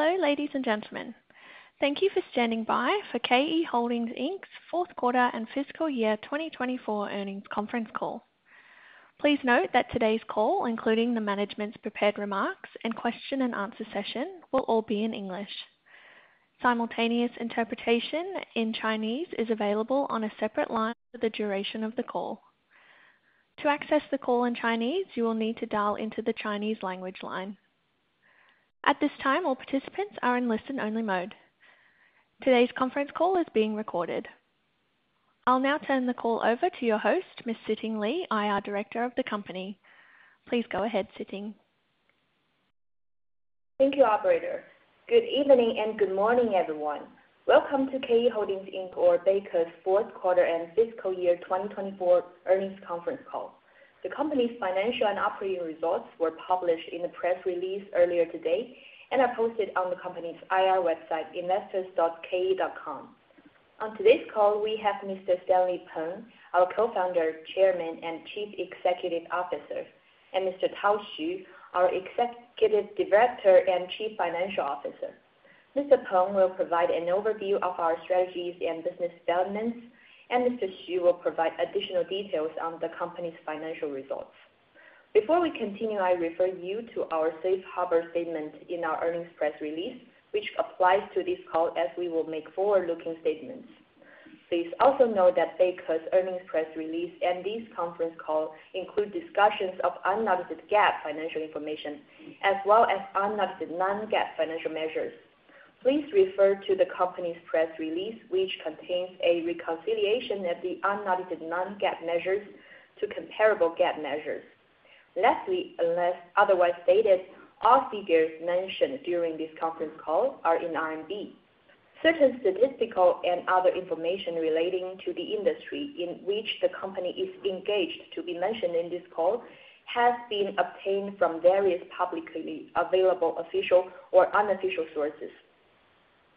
Hello, ladies and gentlemen. Thank you for standing by for KE Holdings' fourth quarter and fiscal year 2024 earnings conference call. Please note that today's call, including the management's prepared remarks and question-and-answer session, will all be in English. Simultaneous interpretation in Chinese is available on a separate line for the duration of the call. To access the call in Chinese, you will need to dial into the Chinese language line. At this time, all participants are in listen-only mode. Today's conference call is being recorded. I'll now turn the call over to your host, Ms. Siting Liu, IR Director of the company. Please go ahead, Siting. Thank you, Operator. Good evening and good morning, everyone. Welcome to KE Holdings, or Beike's, fourth quarter and fiscal year 2024 earnings conference call. The company's financial and operating results were published in the press release earlier today and are posted on the company's IR website, investors.ke.com. On today's call, we have Mr. Stanley Peng, our Co-founder, Chairman, and Chief Executive Officer, and Mr. Tao Xu, our Executive Director and Chief Financial Officer. Mr. Peng will provide an overview of our strategies and business developments, and Mr. Xu will provide additional details on the company's financial results. Before we continue, I refer you to our Safe Harbor statement in our earnings press release, which applies to this call as we will make forward-looking statements. Please also note that Beike's earnings press release and this conference call include discussions of unaudited GAAP financial information as well as unaudited non-GAAP financial measures. Please refer to the company's press release, which contains a reconciliation of the unaudited non-GAAP measures to comparable GAAP measures. Lastly, unless otherwise stated, all figures mentioned during this conference call are in RMB. Certain statistical and other information relating to the industry in which the company is engaged to be mentioned in this call has been obtained from various publicly available official or unofficial sources.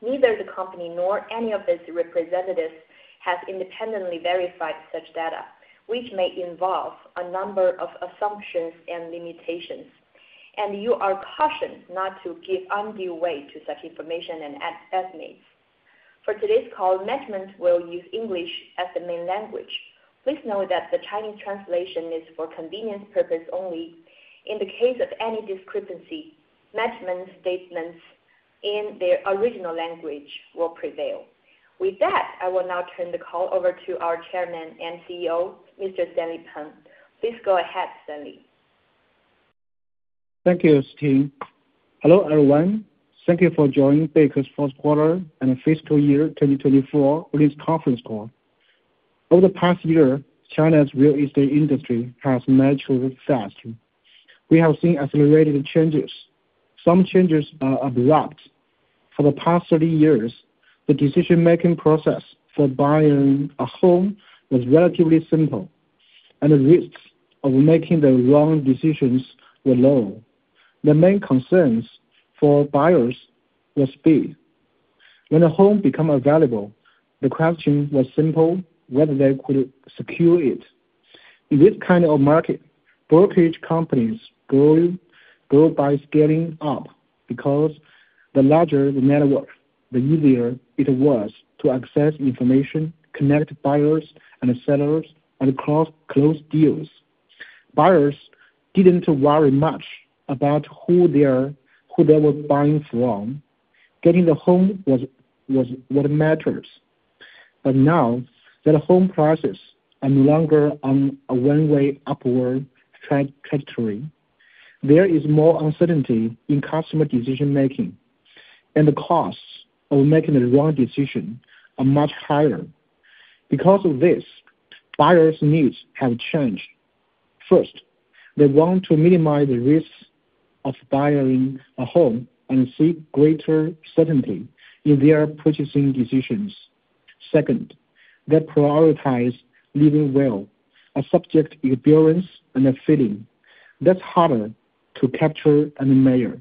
Neither the company nor any of its representatives has independently verified such data, which may involve a number of assumptions and limitations, and you are cautioned not to give undue weight to such information and estimates. For today's call, management will use English as the main language. Please note that the Chinese translation is for convenience purposes only. In the case of any discrepancy, management's statements in their original language will prevail. With that, I will now turn the call over to our Chairman and CEO, Mr. Stanley Peng. Please go ahead, Stanley. Thank you, Siting. Hello, everyone. Thank you for joining Beike's fourth quarter and fiscal year 2024 earnings conference call. Over the past year, China's real estate industry has matured fast. We have seen accelerated changes. Some changes are abrupt. For the past 30 years, the decision-making process for buying a home was relatively simple, and the risks of making the wrong decisions were low. The main concerns for buyers were speed. When a home became available, the question was simple: whether they could secure it. In this kind of market, brokerage companies grew by scaling up because the larger the network, the easier it was to access information, connect buyers and sellers, and close deals. Buyers didn't worry much about who they were buying from. Getting the home was what mattered. Now that home prices are no longer on a one-way upward trajectory, there is more uncertainty in customer decision-making, and the costs of making the wrong decision are much higher. Because of this, buyers' needs have changed. First, they want to minimize the risks of buying a home and seek greater certainty in their purchasing decisions. Second, they prioritize living well, a subjective experience, and a feeling that's harder to capture and measure.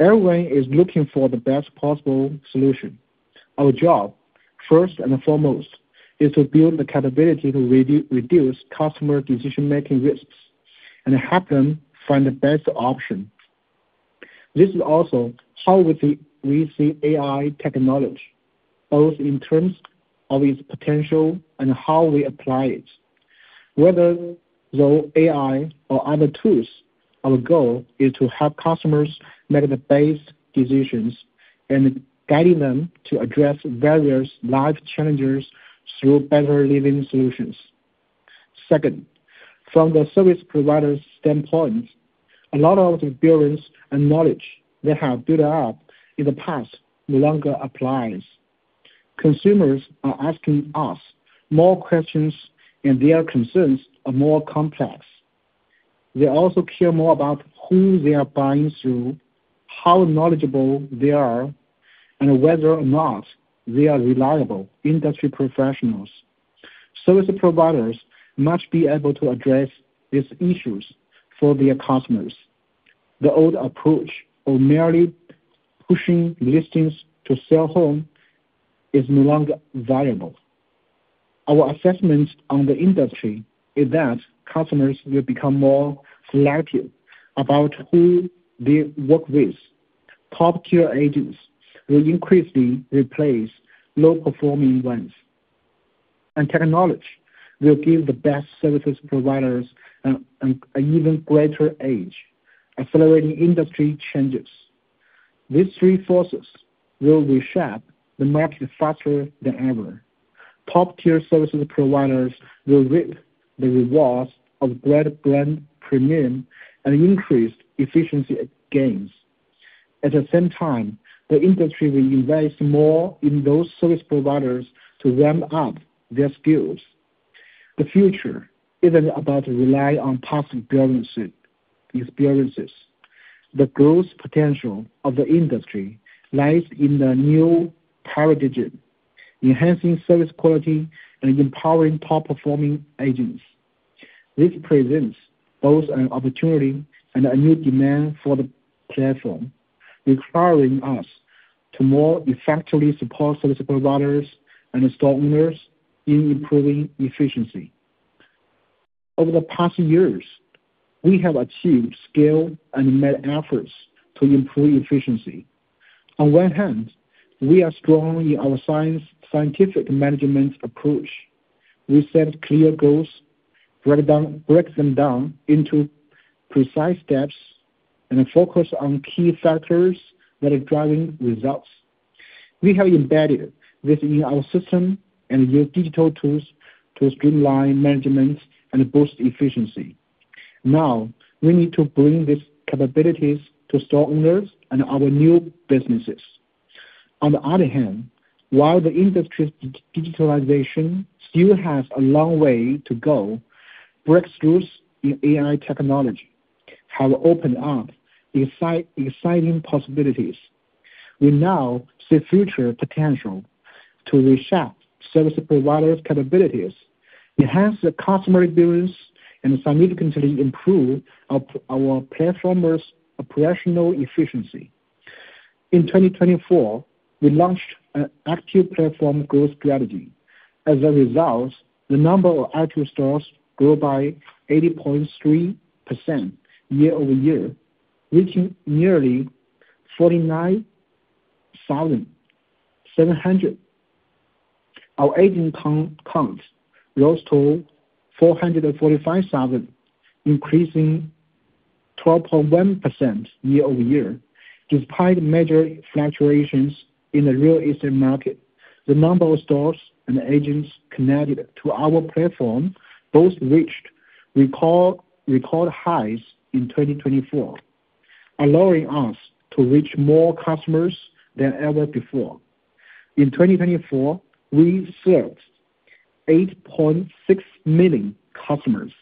Everyone is looking for the best possible solution. Our job, first and foremost, is to build the capability to reduce customer decision-making risks and help them find the best option. This is also how we see AI technology, both in terms of its potential and how we apply it. Whether through AI or other tools, our goal is to help customers make the best decisions and guiding them to address various life challenges through better living solutions. Second, from the service provider's standpoint, a lot of the experience and knowledge they have built up in the past no longer applies. Consumers are asking us more questions, and their concerns are more complex. They also care more about who they are buying through, how knowledgeable they are, and whether or not they are reliable industry professionals. Service providers must be able to address these issues for their customers. The old approach of merely pushing listings to sell homes is no longer viable. Our assessment on the industry is that customers will become more selective about who they work with. Top-tier agents will increasingly replace low-performing ones, and technology will give the best service providers an even greater edge, accelerating industry changes. These three forces will reshape the market faster than ever. Top-tier service providers will reap the rewards of greater brand premium and increased efficiency gains. At the same time, the industry will invest more in those service providers to ramp up their skills. The future isn't about relying on past experiences. The growth potential of the industry lies in the new power digit, enhancing service quality and empowering top-performing agents. This presents both an opportunity and a new demand for the platform, requiring us to more effectively support service providers and store owners in improving efficiency. Over the past years, we have achieved scale and met efforts to improve efficiency. On one hand, we are strong in our scientific management approach. We set clear goals, break them down into precise steps, and focus on key factors that are driving results. We have embedded this in our system and use digital tools to streamline management and boost efficiency. Now, we need to bring these capabilities to store owners and our new businesses. On the other hand, while the industry's digitalization still has a long way to go, breakthroughs in AI technology have opened up exciting possibilities. We now see future potential to reshape service providers' capabilities, enhance the customer experience, and significantly improve our platform's operational efficiency. In 2024, we launched an active platform growth strategy. As a result, the number of active stores grew by 80.3% year over year, reaching nearly 49,700. Our agent count rose to 445,000, increasing 12.1% year over year. Despite major fluctuations in the real estate market, the number of stores and agents connected to our platform both reached record highs in 2024, allowing us to reach more customers than ever before. In 2024, we served 8.6 million customers.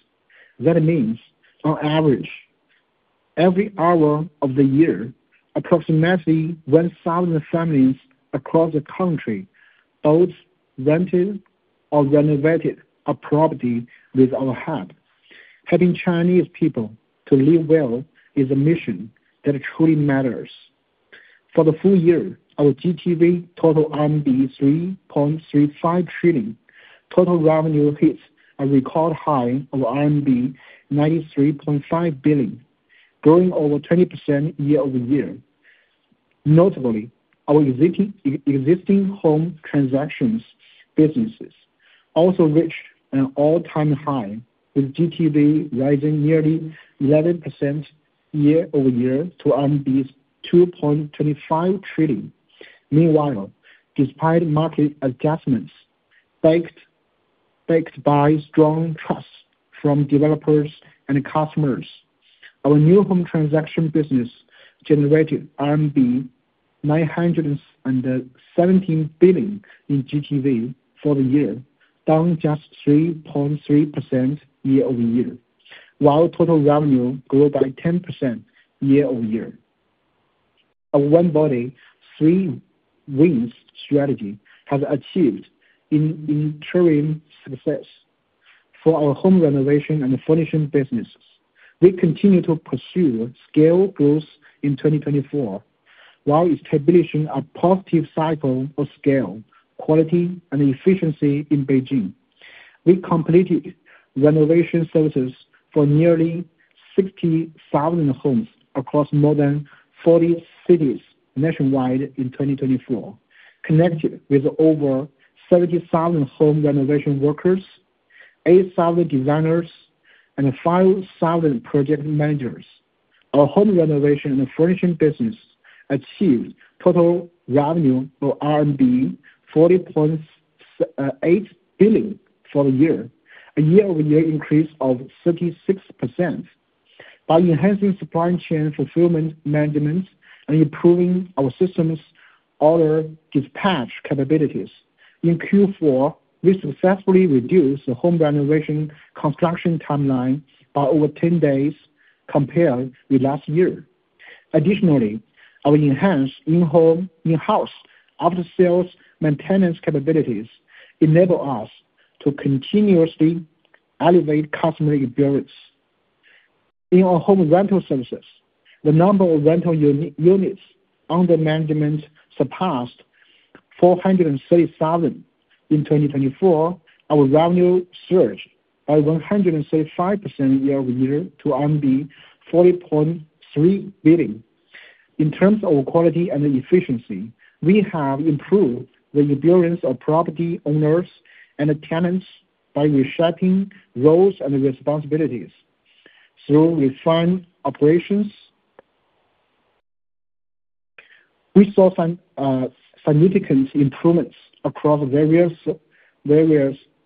That means, on average, every hour of the year, approximately 1,000 families across the country both rented or renovated a property with our help. Helping Chinese people to live well is a mission that truly matters. For the full year, our GTV total RMB 3.35 trillion. Total revenue hits a record high of RMB 93.5 billion, growing over 20% year over year. Notably, our existing home transactions businesses also reached an all-time high, with GTV rising nearly 11% year over year to 2.25 trillion. Meanwhile, despite market adjustments backed by strong trust from developers and customers, our new home transaction business generated RMB 917 billion in GTV for the year, down just 3.3% year over year, while total revenue grew by 10% year over year. Our One Body Three Wings strategy has achieved interim success. For our home renovation and furnishing businesses, we continue to pursue scale growth in 2024 while establishing a positive cycle of scale, quality, and efficiency in Beijing. We completed renovation services for nearly 60,000 homes across more than 40 cities nationwide in 2024, connected with over 70,000 home renovation workers, 8,000 designers, and 5,000 project managers. Our home renovation and furnishing business achieved total revenue of RMB 40.8 billion for the year, a year-over-year increase of 36%. By enhancing supply chain fulfillment management and improving our system's order dispatch capabilities, in Q4, we successfully reduced the home renovation construction timeline by over 10 days compared with last year. Additionally, our enhanced in-house after-sales maintenance capabilities enable us to continuously elevate customer experience. In our home rental services, the number of rental units under management surpassed 430,000 in 2024. Our revenue surged by 135% year over year to RMB 40.3 billion. In terms of quality and efficiency, we have improved the experience of property owners and tenants by reshaping roles and responsibilities through refined operations. We saw significant improvements across various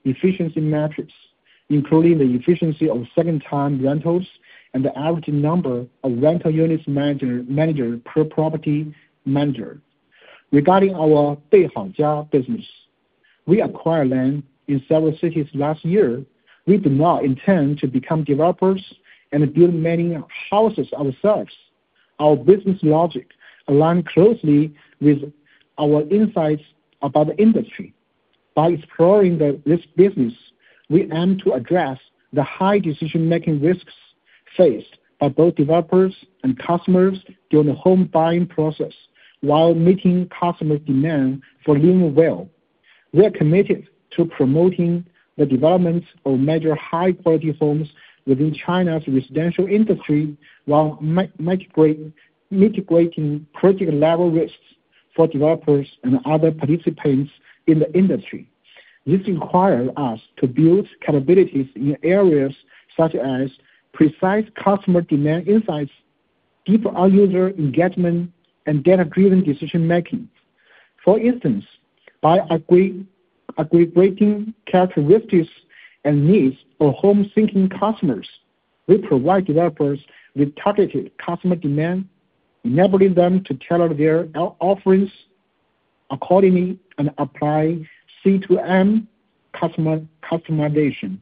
efficiency metrics, including the efficiency of second-time rentals and the average number of rental units managed per property manager. Regarding our Beihang Jia business, we acquired land in several cities last year. We do not intend to become developers and build many houses ourselves. Our business logic aligns closely with our insights about the industry. By exploring this business, we aim to address the high decision-making risks faced by both developers and customers during the home buying process while meeting customer demand for living well. We are committed to promoting the development of major high-quality homes within China's residential industry while mitigating critical level risks for developers and other participants in the industry. This requires us to build capabilities in areas such as precise customer demand insights, deeper user engagement, and data-driven decision-making. For instance, by aggregating characteristics and needs of home-seeking customers, we provide developers with targeted customer demand, enabling them to tailor their offerings accordingly and apply C2M customization.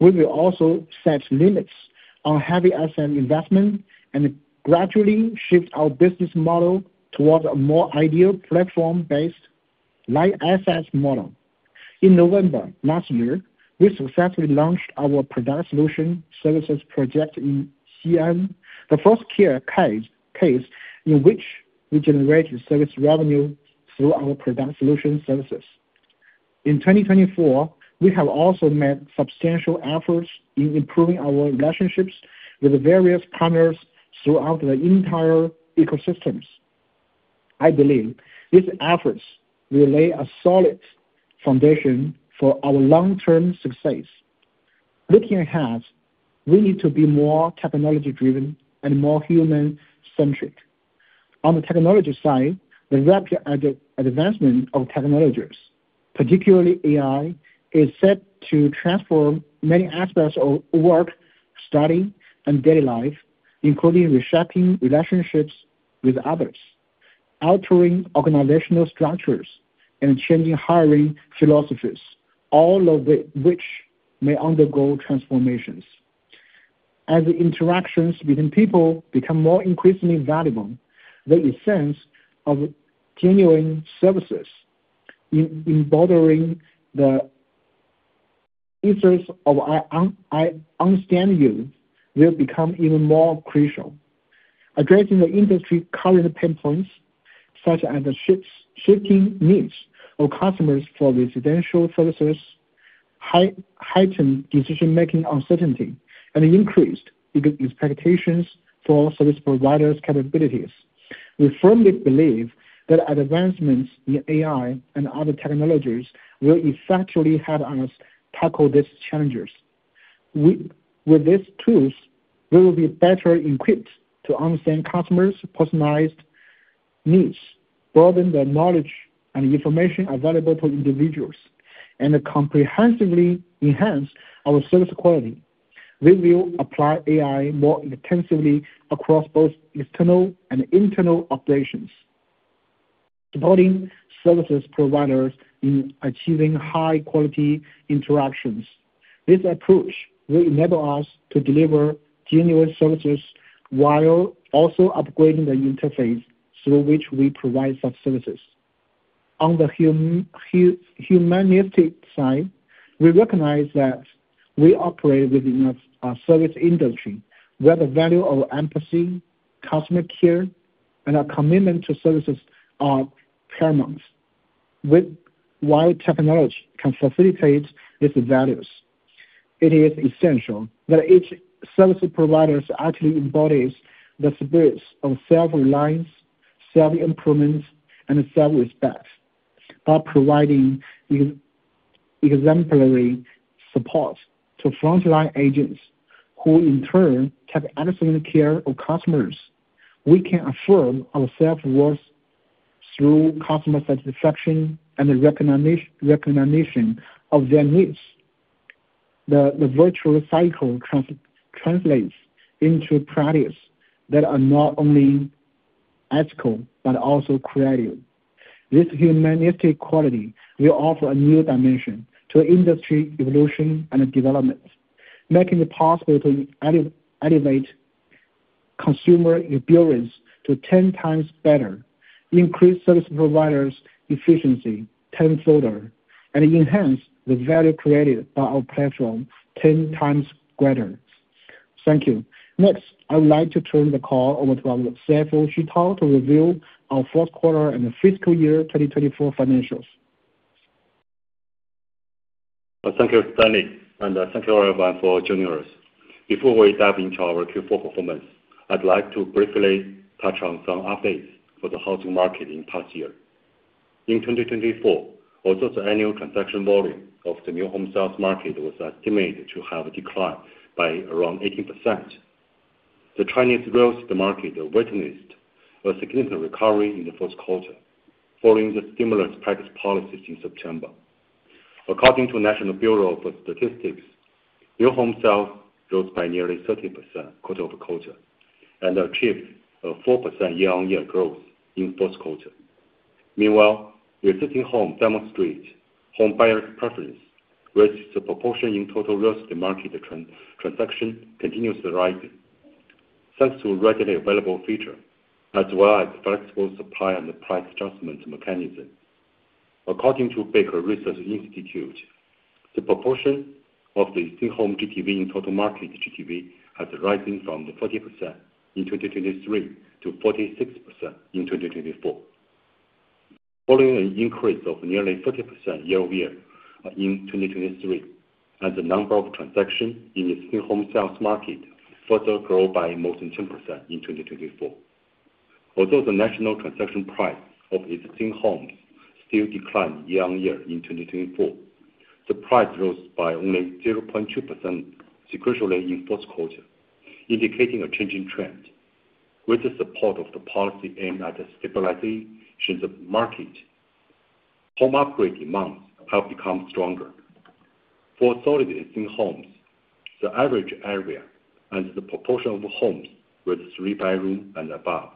We will also set limits on heavy asset investment and gradually shift our business model towards a more ideal platform-based light asset model. In November last year, we successfully launched our product solution services project in Xi'an, the first case in which we generated service revenue through our product solution services. In 2024, we have also made substantial efforts in improving our relationships with various partners throughout the entire ecosystems. I believe these efforts will lay a solid foundation for our long-term success. Looking ahead, we need to be more technology-driven and more human-centric. On the technology side, the rapid advancement of technologies, particularly AI, is set to transform many aspects of work, study, and daily life, including reshaping relationships with others, altering organizational structures, and changing hiring philosophies, all of which may undergo transformations. As the interactions between people become more increasingly valuable, the essence of genuine services embodying the interests of our own standard will become even more crucial. Addressing the industry's current pain points, such as the shifting needs of customers for residential services, heightened decision-making uncertainty, and increased expectations for service providers' capabilities, we firmly believe that advancements in AI and other technologies will effectively help us tackle these challenges. With these tools, we will be better equipped to understand customers' personalized needs, broaden the knowledge and information available to individuals, and comprehensively enhance our service quality. We will apply AI more intensively across both external and internal operations, supporting service providers in achieving high-quality interactions. This approach will enable us to deliver genuine services while also upgrading the interface through which we provide such services. On the humanistic side, we recognize that we operate within a service industry where the value of empathy, customer care, and a commitment to services are paramount, while technology can facilitate these values. It is essential that each service provider actually embodies the spirits of self-reliance, self-improvement, and self-respect by providing exemplary support to frontline agents who, in turn, take excellent care of customers. We can affirm our self-worth through customer satisfaction and recognition of their needs. The virtual cycle translates into practices that are not only ethical but also creative. This humanistic quality will offer a new dimension to industry evolution and development, making it possible to elevate consumer experience to 10 times better, increase service providers' efficiency tenfold, and enhance the value created by our platform 10 times greater. Thank you. Next, I would like to turn the call over to our CFO, Tao Xu, to review our fourth quarter and fiscal year 2024 financials. Thank you, Stanley, and thank you, everyone, for joining us. Before we dive into our Q4 performance, I'd like to briefly touch on some updates for the housing market in the past year. In 2024, although the annual transaction volume of the new home sales market was estimated to have declined by around 18%, the Chinese real estate market witnessed a significant recovery in the fourth quarter following the stimulus package policies in September. According to the National Bureau of Statistics, new home sales rose by nearly 30% quarter over quarter and achieved a 4% year-on-year growth in the fourth quarter. Meanwhile, resisting home demonstrates home buyers' preference, which is the proportion in total real estate market transactions continues to rise, thanks to readily available features as well as flexible supply and price adjustment mechanisms. According to Beike Research Institute, the proportion of the new home GTV in total market GTV has risen from 40% in 2023 to 46% in 2024, following an increase of nearly 30% year over year in 2023, and the number of transactions in the existing home sales market further grew by more than 10% in 2024. Although the national transaction price of existing homes still declined year on year in 2024, the price rose by only 0.2% sequentially in the fourth quarter, indicating a changing trend. With the support of the policy aimed at stabilization of the market, home upgrade demands have become stronger. For solid existing homes, the average area and the proportion of homes with three bedrooms and above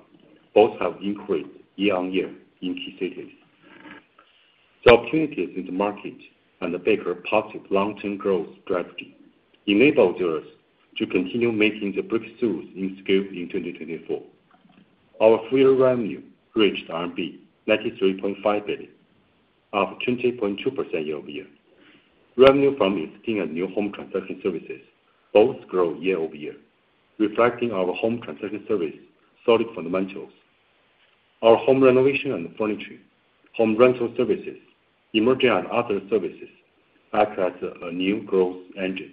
both have increased year on year in key cities. The opportunities in the market and the Beike positive long-term growth strategy enabled us to continue making the big stews in scale in 2024. Our full year revenue reached RMB 93.5 billion, up 20.2% year over year. Revenue from existing and new home transaction services both grow year over year, reflecting our home transaction service solid fundamentals. Our home renovation and furniture, home rental services, emerging and other services act as a new growth engine,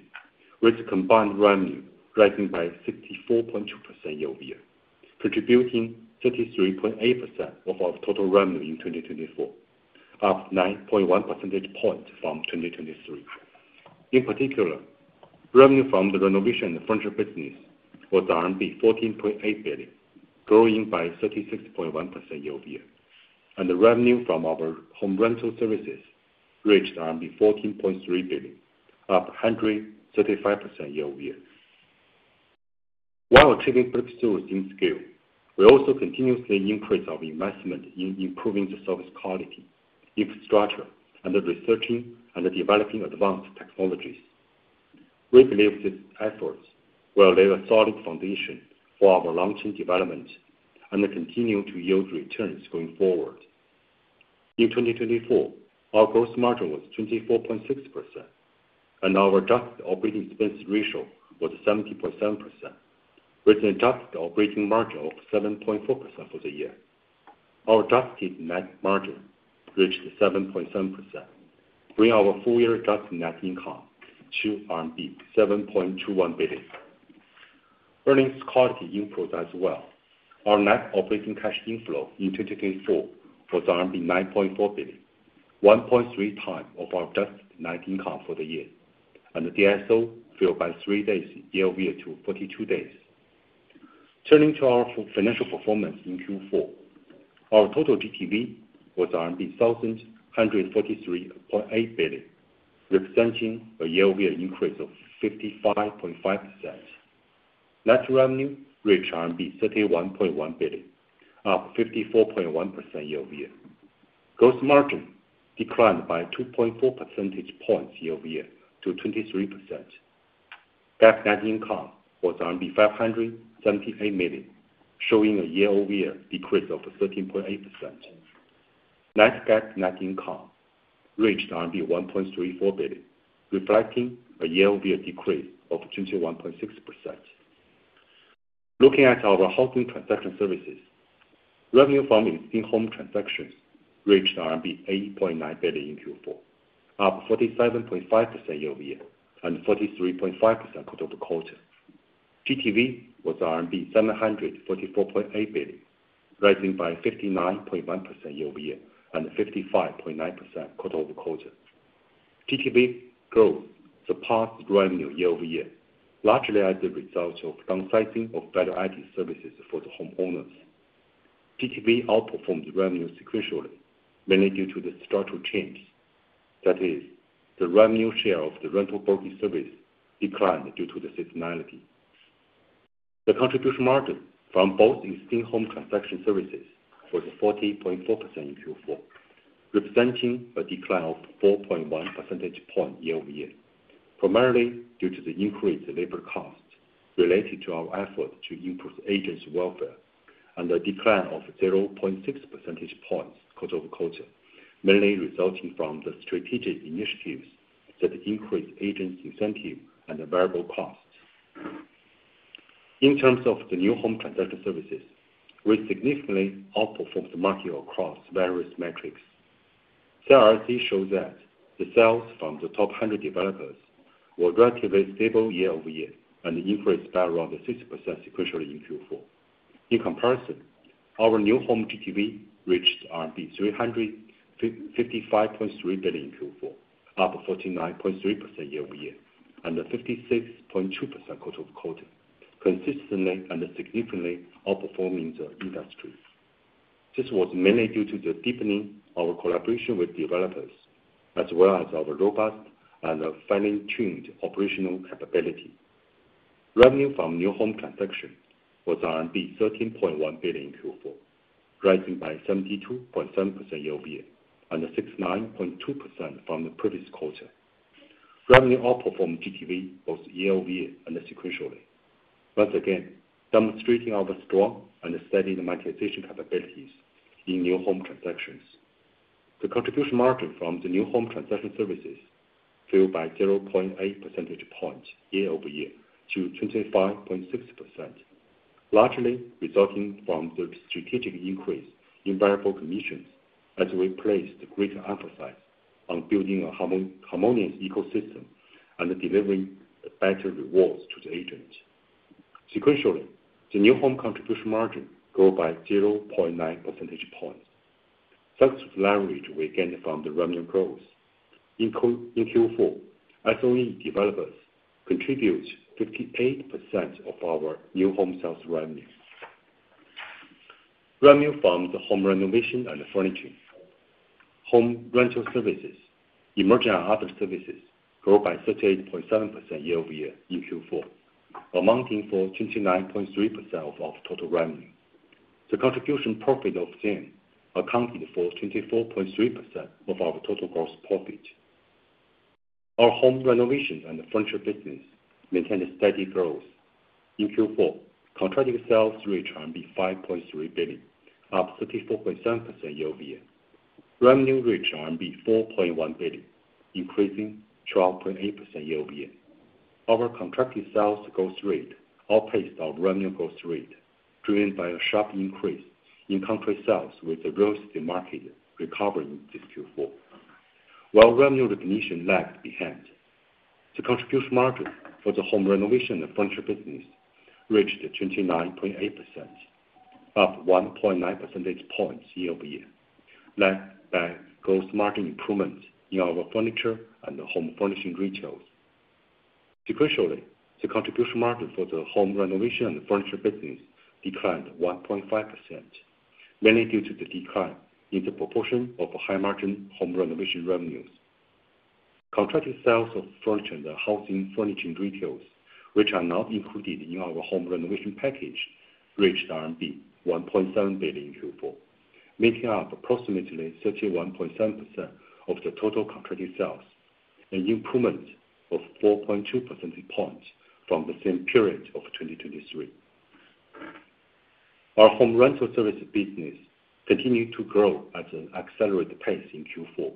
with combined revenue rising by 64.2% year over year, contributing 33.8% of our total revenue in 2024, up 9.1 percentage points from 2023. In particular, revenue from the renovation and furniture business was RMB 14.8 billion, growing by 36.1% year over year, and the revenue from our home rental services reached RMB 14.3 billion, up 135% year over year. While achieving big stews in scale, we also continuously increase our investment in improving the service quality, infrastructure, and researching and developing advanced technologies. We believe these efforts will lay a solid foundation for our long-term development and continue to yield returns going forward. In 2024, our gross margin was 24.6%, and our adjusted operating expense ratio was 70.7%, with an adjusted operating margin of 7.4% for the year. Our adjusted net margin reached 7.7%, bringing our full year adjusted net income to RMB 7.21 billion. Earnings quality improved as well. Our net operating cash inflow in 2024 was 9.4 billion, 1.3 times of our adjusted net income for the year, and the DSO filled by three days year over year to 42 days. Turning to our financial performance in Q4, our total GTV was RMB 1,143.8 billion, representing a year over year increase of 55.5%. Net revenue reached RMB 31.1 billion, up 54.1% year over year. Gross margin declined by 2.4 percentage points year over year to 23%. Net income was 578 million, showing a year over year decrease of 13.8%. Adjusted net income reached 1.34 billion, reflecting a year over year decrease of 21.6%. Looking at our housing transaction services, revenue from existing home transactions reached RMB 8.9 billion in Q4, up 47.5% year over year and 43.5% quarter over quarter. GTV was RMB 744.8 billion, rising by 59.1% year over year and 55.9% quarter over quarter. GTV growth surpassed revenue year over year, largely as a result of downsizing of value-added services for the homeowners. GTV outperformed revenue sequentially, mainly due to the structural changes. That is, the revenue share of the rental brokerage service declined due to the seasonality. The contribution margin from both existing home transaction services was 40.4% in Q4, representing a decline of 4.1 percentage points year over year, primarily due to the increased labor costs related to our effort to improve agents' welfare and a decline of 0.6 percentage points quarter over quarter, mainly resulting from the strategic initiatives that increased agents' incentive and variable costs. In terms of the new home transaction services, we significantly outperformed the market across various metrics. CRIC shows that the sales from the top 100 developers were relatively stable year over year and increased by around 60% sequentially in Q4. In comparison, our new home GTV reached 355.3 billion in Q4, up 49.3% year over year and 56.2% quarter over quarter, consistently and significantly outperforming the industry. This was mainly due to the deepening of our collaboration with developers as well as our robust and finely tuned operational capability. Revenue from new home transactions was RMB 13.1 billion in Q4, rising by 72.7% year over year and 69.2% from the previous quarter. Revenue outperformed GTV both year over year and sequentially, once again demonstrating our strong and steady demonetization capabilities in new home transactions. The contribution margin from the new home transaction services fell by 0.8 percentage points year over year to 25.6%, largely resulting from the strategic increase in variable commissions as we placed greater emphasis on building a harmonious ecosystem and delivering better rewards to the agent. Sequentially, the new home contribution margin grew by 0.9 percentage points thanks to the leverage we gained from the revenue growth. In Q4, SOE developers contributed 58% of our new home sales revenue. Revenue from the home renovation and furniture, home rental services, emerging and other services grew by 38.7% year over year in Q4, amounting to 29.3% of our total revenue. The contribution profit of Zinn accounted for 24.3% of our total gross profit. Our home renovation and furniture business maintained steady growth. In Q4, contracting sales reached RMB 5.3 billion, up 34.7% year over year. Revenue reached RMB 4.1 billion, increasing 12.8% year over year. Our contracting sales growth rate outpaced our revenue growth rate, driven by a sharp increase in contract sales with the real estate market recovering this Q4. While revenue recognition lagged behind, the contribution margin for the home renovation and furniture business reached 29.8%, up 1.9 percentage points year over year, led by gross margin improvement in our furniture and home furnishing retails. Sequentially, the contribution margin for the home renovation and furniture business declined 1.5%, mainly due to the decline in the proportion of high-margin home renovation revenues. Contracting sales of furniture and housing furnishing retails, which are not included in our home renovation package, reached RMB 1.7 billion in Q4, making up approximately 31.7% of the total contracting sales, an improvement of 4.2 percentage points from the same period of 2023. Our home rental service business continued to grow at an accelerated pace in Q4,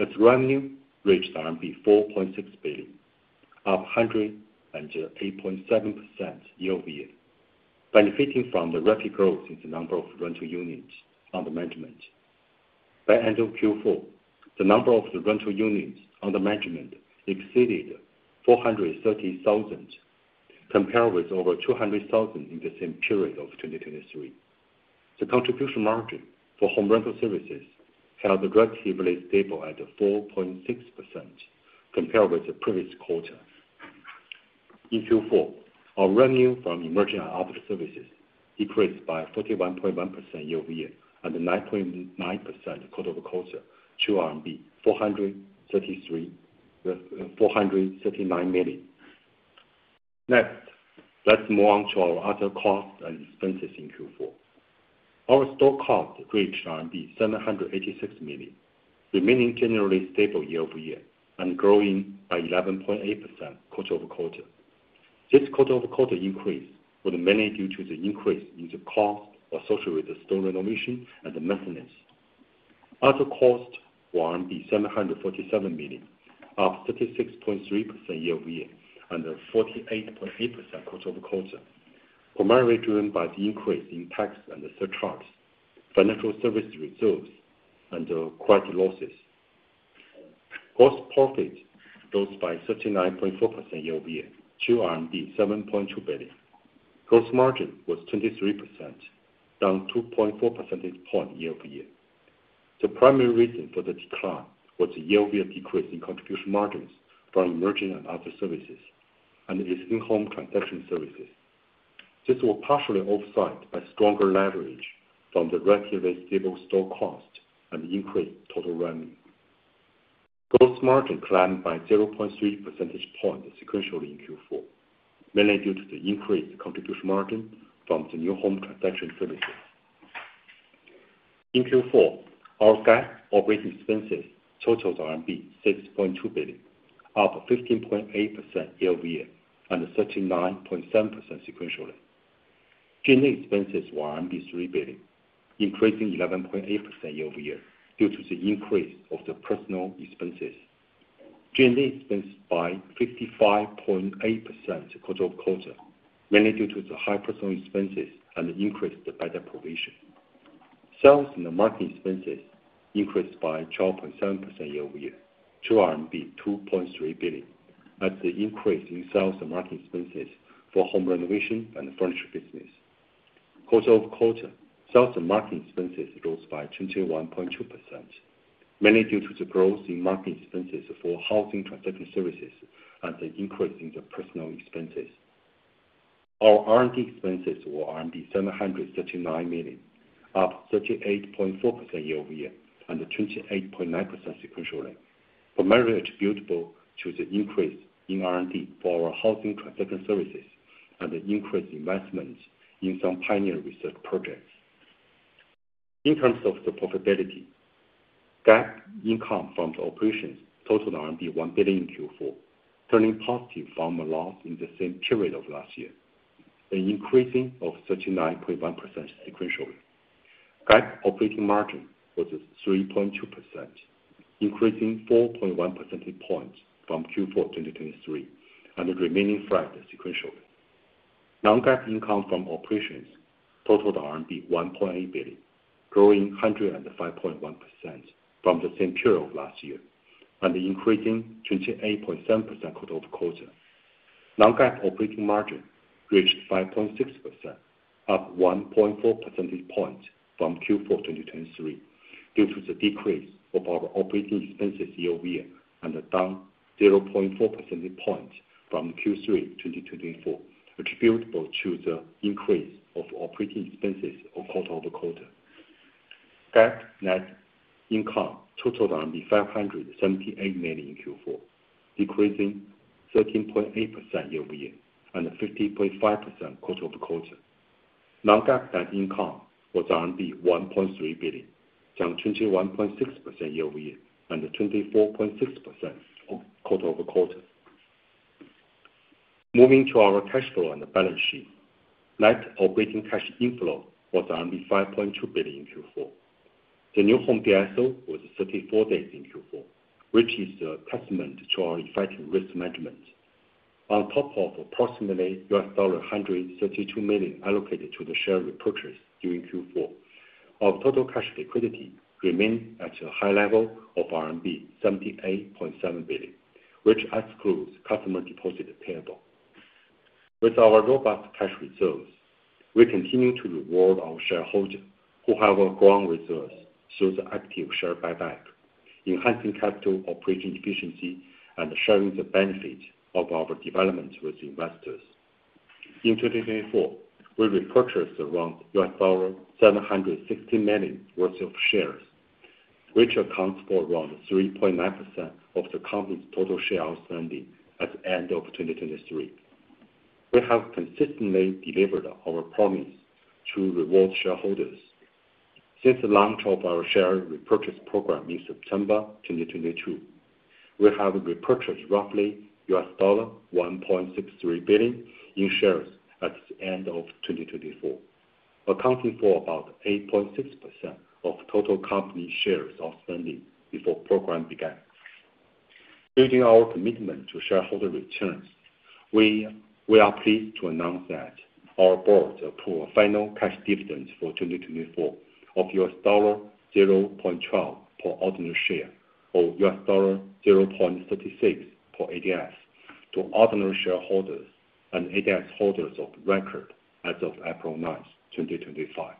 as revenue reached RMB 4.6 billion, up 108.7% year over year, benefiting from the rapid growth in the number of rental units under management. By end of Q4, the number of rental units under management exceeded 430,000, compared with over 200,000 in the same period of 2023. The contribution margin for home rental services held relatively stable at 4.6%, compared with the previous quarter. In Q4, our revenue from emerging and other services decreased by 41.1% year over year and 9.9% quarter over quarter to RMB 433 million. Next, let's move on to our other costs and expenses in Q4. Our store cost reached 786 million, remaining generally stable year over year and growing by 11.8% quarter over quarter. This quarter over quarter increase was mainly due to the increase in the cost associated with the store renovation and maintenance. Other costs were 747 million, up 36.3% year over year and 48.8% quarter over quarter, primarily driven by the increase in tax and surcharge, financial service reserves, and credit losses. Gross profit rose by 39.4% year over year to 7.2 billion. Gross margin was 23%, down 2.4 percentage points year over year. The primary reason for the decline was the year over year decrease in contribution margins from emerging and other services and existing home transaction services. This was partially offset by stronger leverage from the relatively stable store cost and increased total revenue. Gross margin climbed by 0.3 percentage points sequentially in Q4, mainly due to the increased contribution margin from the new home transaction services. In Q4, our G&A operating expenses totaled RMB 6.2 billion, up 15.8% year over year and 39.7% sequentially. G&A expenses were RMB 3 billion, increasing 11.8% year over year due to the increase of the personnel expenses. G&A expenses by 55.8% quarter over quarter, mainly due to the high personnel expenses and increased the bad debt provision. Sales and marketing expenses increased by 12.7% year over year to RMB 2.3 billion, as the increase in sales and marketing expenses for home renovation and furniture business. Quarter over quarter, sales and marketing expenses rose by 21.2%, mainly due to the growth in marketing expenses for housing transaction services and the increase in the personal expenses. Our R&D expenses were 739 million, up 38.4% year over year and 28.9% sequentially, primarily attributable to the increase in R&D for our housing transaction services and the increased investment in some pioneer research projects. In terms of the profitability, GAAP income from the operations totaled RMB 1 billion in Q4, turning positive from a loss in the same period of last year, an increasing of 39.1% sequentially. GAAP operating margin was 3.2%, increasing 4.1 percentage points from Q4 2023 and remaining flat sequentially. Non-GAAP income from operations totaled RMB 1.8 billion, growing 105.1% from the same period of last year and increasing 28.7% quarter over quarter. Non-GAAP operating margin reached 5.6%, up 1.4 percentage points from Q4 2023 due to the decrease of our operating expenses year over year and down 0.4 percentage points from Q3 2024, attributable to the increase of operating expenses quarter over quarter. GAAP net income totaled 578 million in Q4, decreasing 13.8% year over year and 50.5% quarter over quarter. Non-GAAP net income was 1.3 billion, down 21.6% year over year and 24.6% quarter over quarter. Moving to our cash flow and the balance sheet, net operating cash inflow was 5.2 billion in Q4. The new home DSO was 34 days in Q4, which is a testament to our effective risk management. On top of approximately $132 million allocated to the share repurchase during Q4, our total cash liquidity remained at a high level of RMB 78.7 billion, which excludes customer deposit payable. With our robust cash reserves, we continue to reward our shareholders who have our ground reserves through the active share buyback, enhancing capital operating efficiency and sharing the benefits of our development with investors. In 2024, we repurchased around $760 million worth of shares, which accounts for around 3.9% of the company's total shares outstanding at the end of 2023. We have consistently delivered our promise to reward shareholders. Since the launch of our share repurchase program in September 2022, we have repurchased roughly $1.63 billion in shares at the end of 2024, accounting for about 8.6% of total company shares outstanding before the program began. Building our commitment to shareholder returns, we are pleased to announce that our board approved a final cash dividend for 2024 of $0.12 per ordinary share or $0.36 per ADS to ordinary shareholders and ADS holders of record as of April 9, 2025.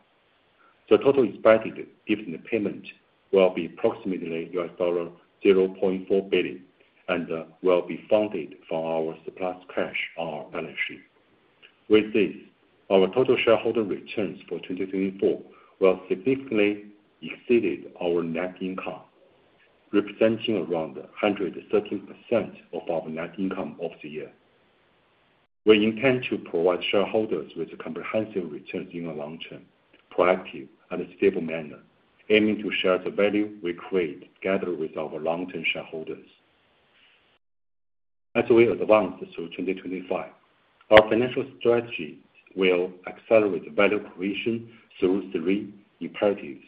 The total expected dividend payment will be approximately $0.4 billion and will be funded from our surplus cash on our balance sheet. With this, our total shareholder returns for 2024 will significantly exceed our net income, representing around 113% of our net income of the year. We intend to provide shareholders with comprehensive returns in a long-term, proactive, and stable manner, aiming to share the value we create together with our long-term shareholders. As we advance through 2025, our financial strategy will accelerate value creation through three imperatives.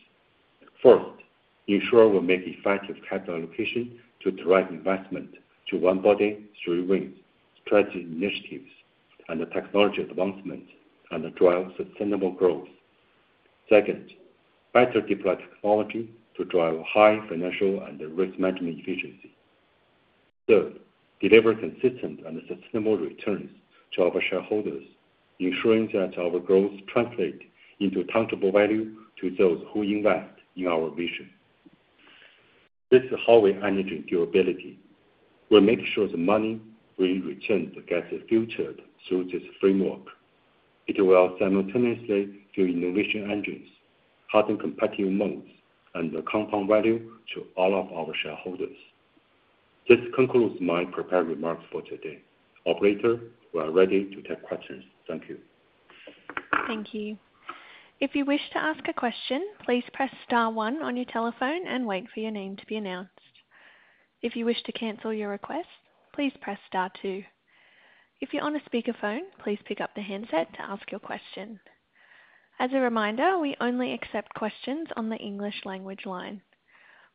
First, ensure we make effective capital allocation to drive investment to one body through wins, strategy initiatives, and technology advancement, and drive sustainable growth. Second, better deploy technology to drive high financial and risk management efficiency. Third, deliver consistent and sustainable returns to our shareholders, ensuring that our growth translates into tangible value to those who invest in our vision. This is how we envision durability. We make sure the money we return gets filtered through this framework. It will simultaneously fuel innovation engines, hearten competitive motives, and compound value to all of our shareholders. This concludes my prepared remarks for today. Operator, we are ready to take questions. Thank you. Thank you. If you wish to ask a question, please press Star 1 on your telephone and wait for your name to be announced. If you wish to cancel your request, please press Star 2. If you're on a speakerphone, please pick up the handset to ask your question. As a reminder, we only accept questions on the English language line.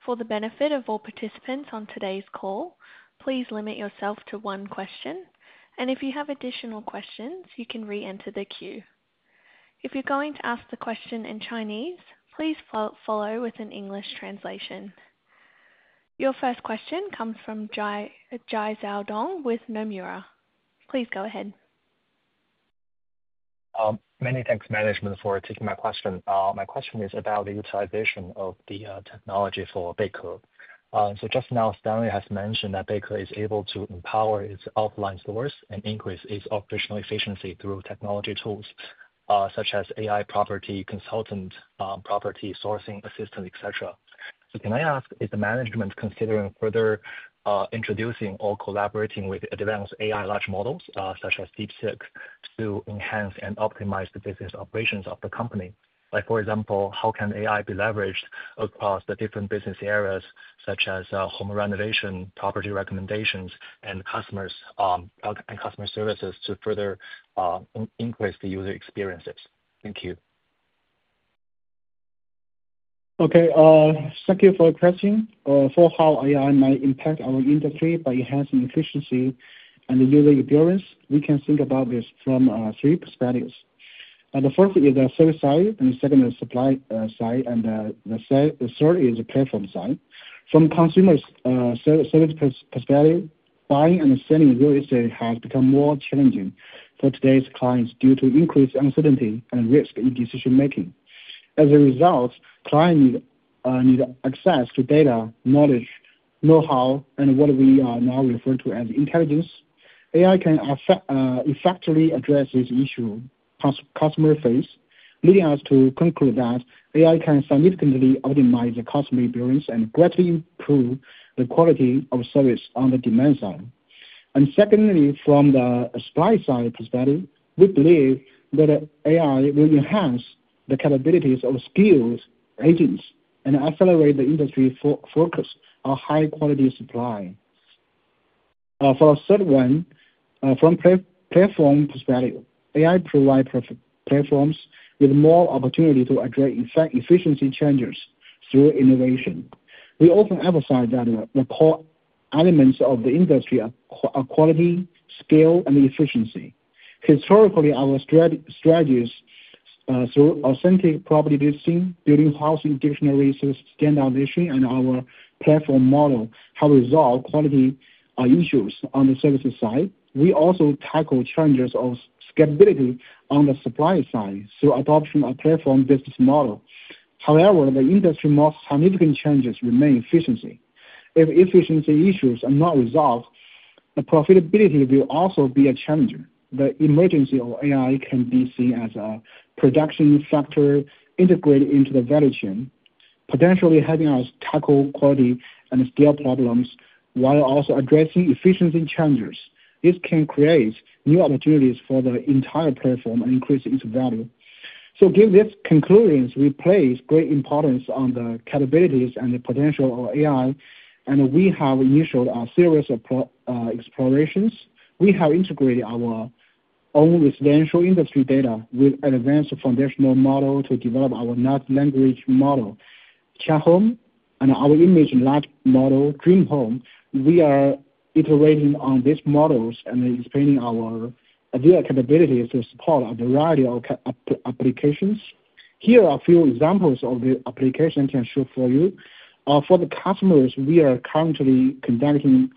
For the benefit of all participants on today's call, please limit yourself to one question, and if you have additional questions, you can re-enter the queue. If you're going to ask the question in Chinese, please follow with an English translation. Your first question comes from Jae Zhao Dong with Nomura. Please go ahead. Many thanks, Management, for taking my question. My question is about the utilization of the technology for Beike. Just now, Stanley has mentioned that Beike is able to empower its offline stores and increase its operational efficiency through technology tools such as AI property consultant, property sourcing assistant, etc. Can I ask, is the management considering further introducing or collaborating with advanced AI large models such as DeepSeek to enhance and optimize the business operations of the company? Like, for example, how can AI be leveraged across the different business areas such as home renovation, property recommendations, and customer services to further increase the user experiences? Thank you. Thank you for the question. For how AI might impact our industry by enhancing efficiency and the user experience, we can think about this from three perspectives. The first is the service side, the second is the supply side, and the third is the platform side. From a consumer service perspective, buying and selling real estate has become more challenging for today's clients due to increased uncertainty and risk in decision-making. As a result, clients need access to data, knowledge, know-how, and what we now refer to as intelligence. AI can effectively address this issue customer-faced, leading us to conclude that AI can significantly optimize the customer experience and greatly improve the quality of service on the demand side. Secondly, from the supply side perspective, we believe that AI will enhance the capabilities of skilled agents and accelerate the industry's focus on high-quality supply. For the third one, from platform perspective, AI provides platforms with more opportunity to address efficiency changes through innovation. We often emphasize that the core elements of the industry are quality, scale, and efficiency. Historically, our strategies through authentic property listing, building housing dictionaries through standardization, and our platform model have resolved quality issues on the service side. We also tackle challenges of scalability on the supply side through adoption of platform business models. However, the industry's most significant challenges remain efficiency. If efficiency issues are not resolved, the profitability will also be a challenge. The emergence of AI can be seen as a production factor integrated into the value chain, potentially helping us tackle quality and scale problems while also addressing efficiency challenges. This can create new opportunities for the entire platform and increase its value. Given these conclusions, we place great importance on the capabilities and the potential of AI, and we have initiated a series of explorations. We have integrated our own residential industry data with advanced foundational models to develop our next language model, Chatham, and our image and light model, Dream Home. We are iterating on these models and expanding our capabilities to support a variety of applications. Here are a few examples of the applications I can show for you. For the customers, we are currently conducting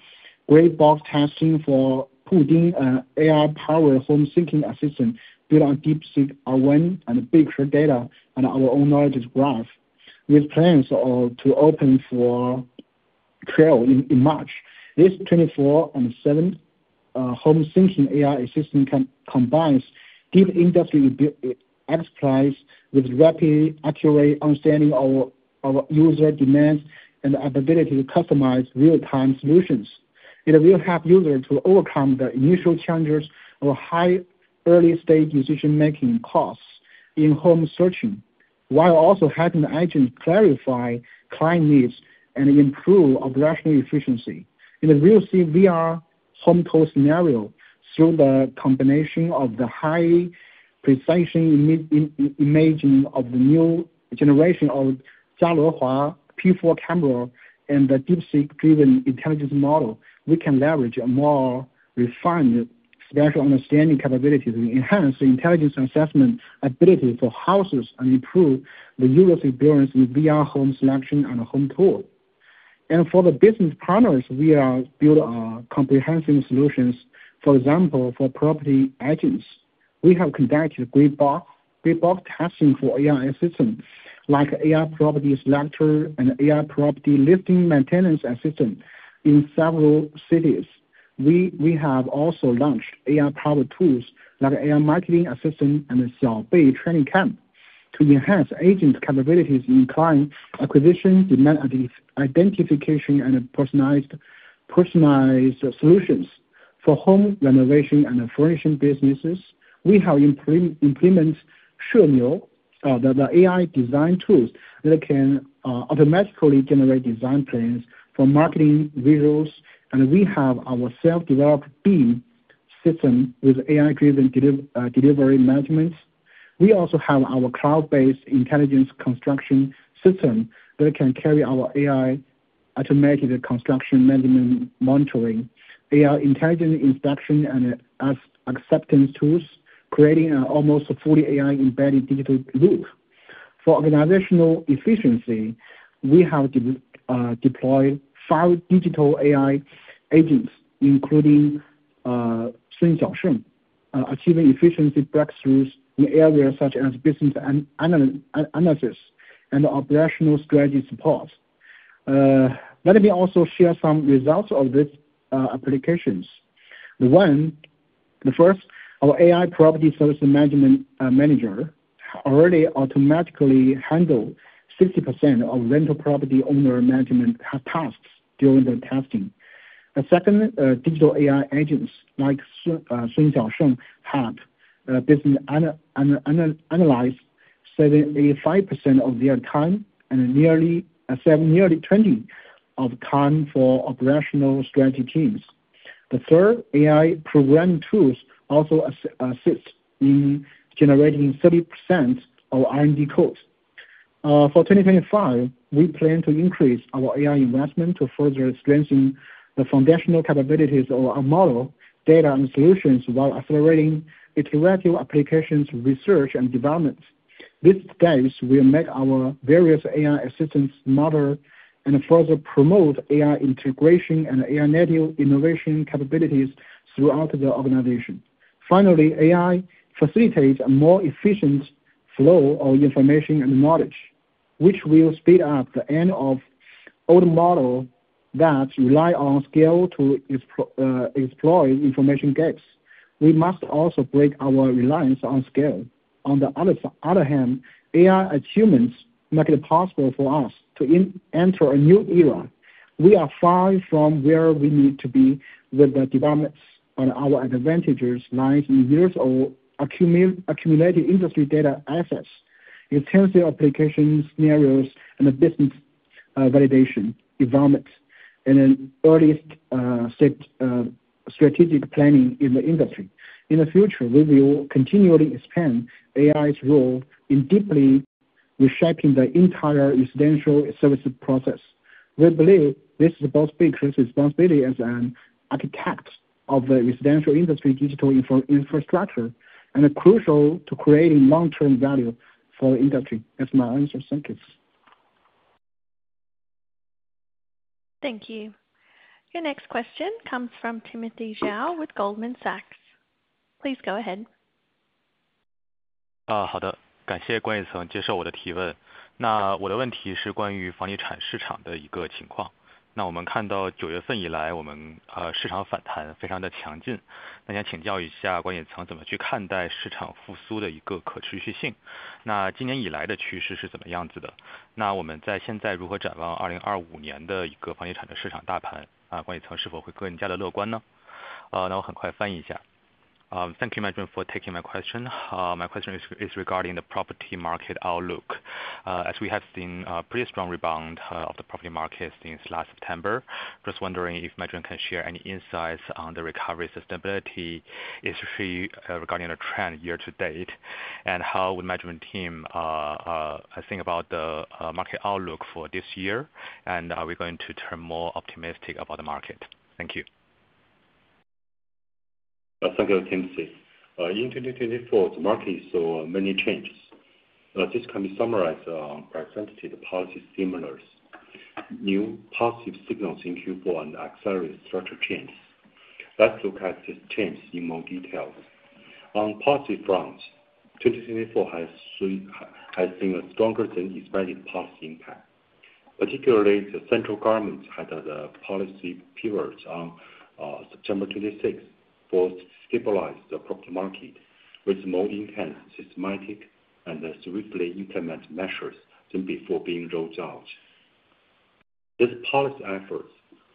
gray box testing for putting an AI-powered home syncing assistant built on DeepSeek R1 and Beike data and our own knowledge graph, with plans to open for trial in March. This 24/7 home syncing AI assistant combines deep industry expertise with rapid, accurate understanding of user demands and the ability to customize real-time solutions. It will help users to overcome the initial challenges or high early-stage decision-making costs in home searching, while also helping the agent clarify client needs and improve operational efficiency. It will see VR home tour scenario through the combination of the high-precision imaging of the new generation of Jia Lihua P4 camera and the DeepSeek-driven intelligence model. We can leverage a more refined spatial understanding capability to enhance the intelligence assessment ability for houses and improve the user experience in VR home selection and home tour. For the business partners, we have built comprehensive solutions. For example, for property agents, we have conducted great box testing for AI assistants like AI property selector and AI property listing maintenance assistant in several cities. We have also launched AI power tools like AI marketing assistant and the Xiao Beike training camp to enhance agent capabilities in client acquisition, demand identification, and personalized solutions. For home renovation and furnishing businesses, we have implemented Shi Miao, the AI design tools that can automatically generate design plans for marketing visuals, and we have our self-developed BEAM system with AI-driven delivery management. We also have our cloud-based intelligence construction system that can carry our AI automated construction management monitoring, AI intelligent inspection, and acceptance tools, creating an almost fully AI-embedded digital loop. For organizational efficiency, we have deployed five digital AI agents, including Sun Xiaosheng, achieving efficiency breakthroughs in areas such as business analysis and operational strategy support. Let me also share some results of these applications. The first, our AI property service management manager already automatically handled 60% of rental property owner management tasks during the testing. The second, digital AI agents like Sun Xiaosheng have analyzed 75% of their time and nearly 20% of time for operational strategy teams. The third, AI programming tools also assist in generating 30% of R&D codes. For 2025, we plan to increase our AI investment to further strengthen the foundational capabilities of our model, data, and solutions while accelerating its relative applications, research, and development. These steps will make our various AI assistance models and further promote AI integration and AI native innovation capabilities throughout the organization. Finally, AI facilitates a more efficient flow of information and knowledge, which will speed up the end of old models that rely on scale to exploit information gaps. We must also break our reliance on scale. On the other hand, AI achievements make it possible for us to enter a new era. We are far from where we need to be with the developments on our advantages lines and years of accumulated industry data assets, intensive application scenarios, and business validation development, and then earliest strategic planning in the industry. In the future, we will continually expand AI's role in deeply reshaping the entire residential service process. We believe this is both Beike's responsibility as an architect of the residential industry digital infrastructure and crucial to creating long-term value for the industry. That's my answer. Thank you. Thank you. Your next question comes from Timothy Zhao with Goldman Sachs. Please go ahead. 好的，感谢关宇层接受我的提问。那我的问题是关于房地产市场的一个情况。那我们看到9月份以来，我们市场反弹非常的强劲。那想请教一下关宇层怎么去看待市场复苏的一个可持续性。那今年以来的趋势是怎么样子的？那我们在现在如何展望2025年的一个房地产的市场大盘？那关宇层是否会更加的乐观呢？那我很快翻译一下。Thank you, Management, for taking my question. My question is regarding the property market outlook. As we have seen a pretty strong rebound of the property market since last September, just wondering if Management can share any insights on the recovery sustainability issue regarding the trend year to date and how would Management team think about the market outlook for this year and are we going to turn more optimistic about the market? Thank you. Thank you, Timothy. In 2024, the market saw many changes. This can be summarized on presented policy stimulus, new positive signals in Q4, and accelerated structural changes. Let's look at these changes in more detail. On positive fronts, 2024 has seen a stronger than expected policy impact. Particularly, the central government had a policy pivot on September 26th for stabilizing the property market with more intense, systematic, and swiftly implemented measures than before being rolled out. These policy efforts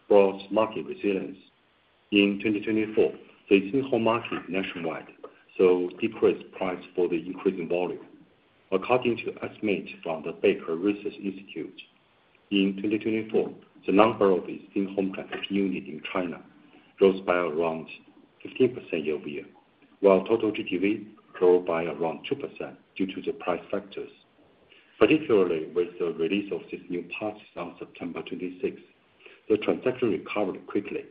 brought market resilience. In 2024, the existing home market nationwide saw decreased price for the increasing volume. According to estimates from the Beike Research Institute, in 2024, the number of existing home transaction units in China rose by around 15% year over year, while total GTV rose by around 2% due to the price factors. Particularly, with the release of these new policies on September 26th, the transaction recovered quickly.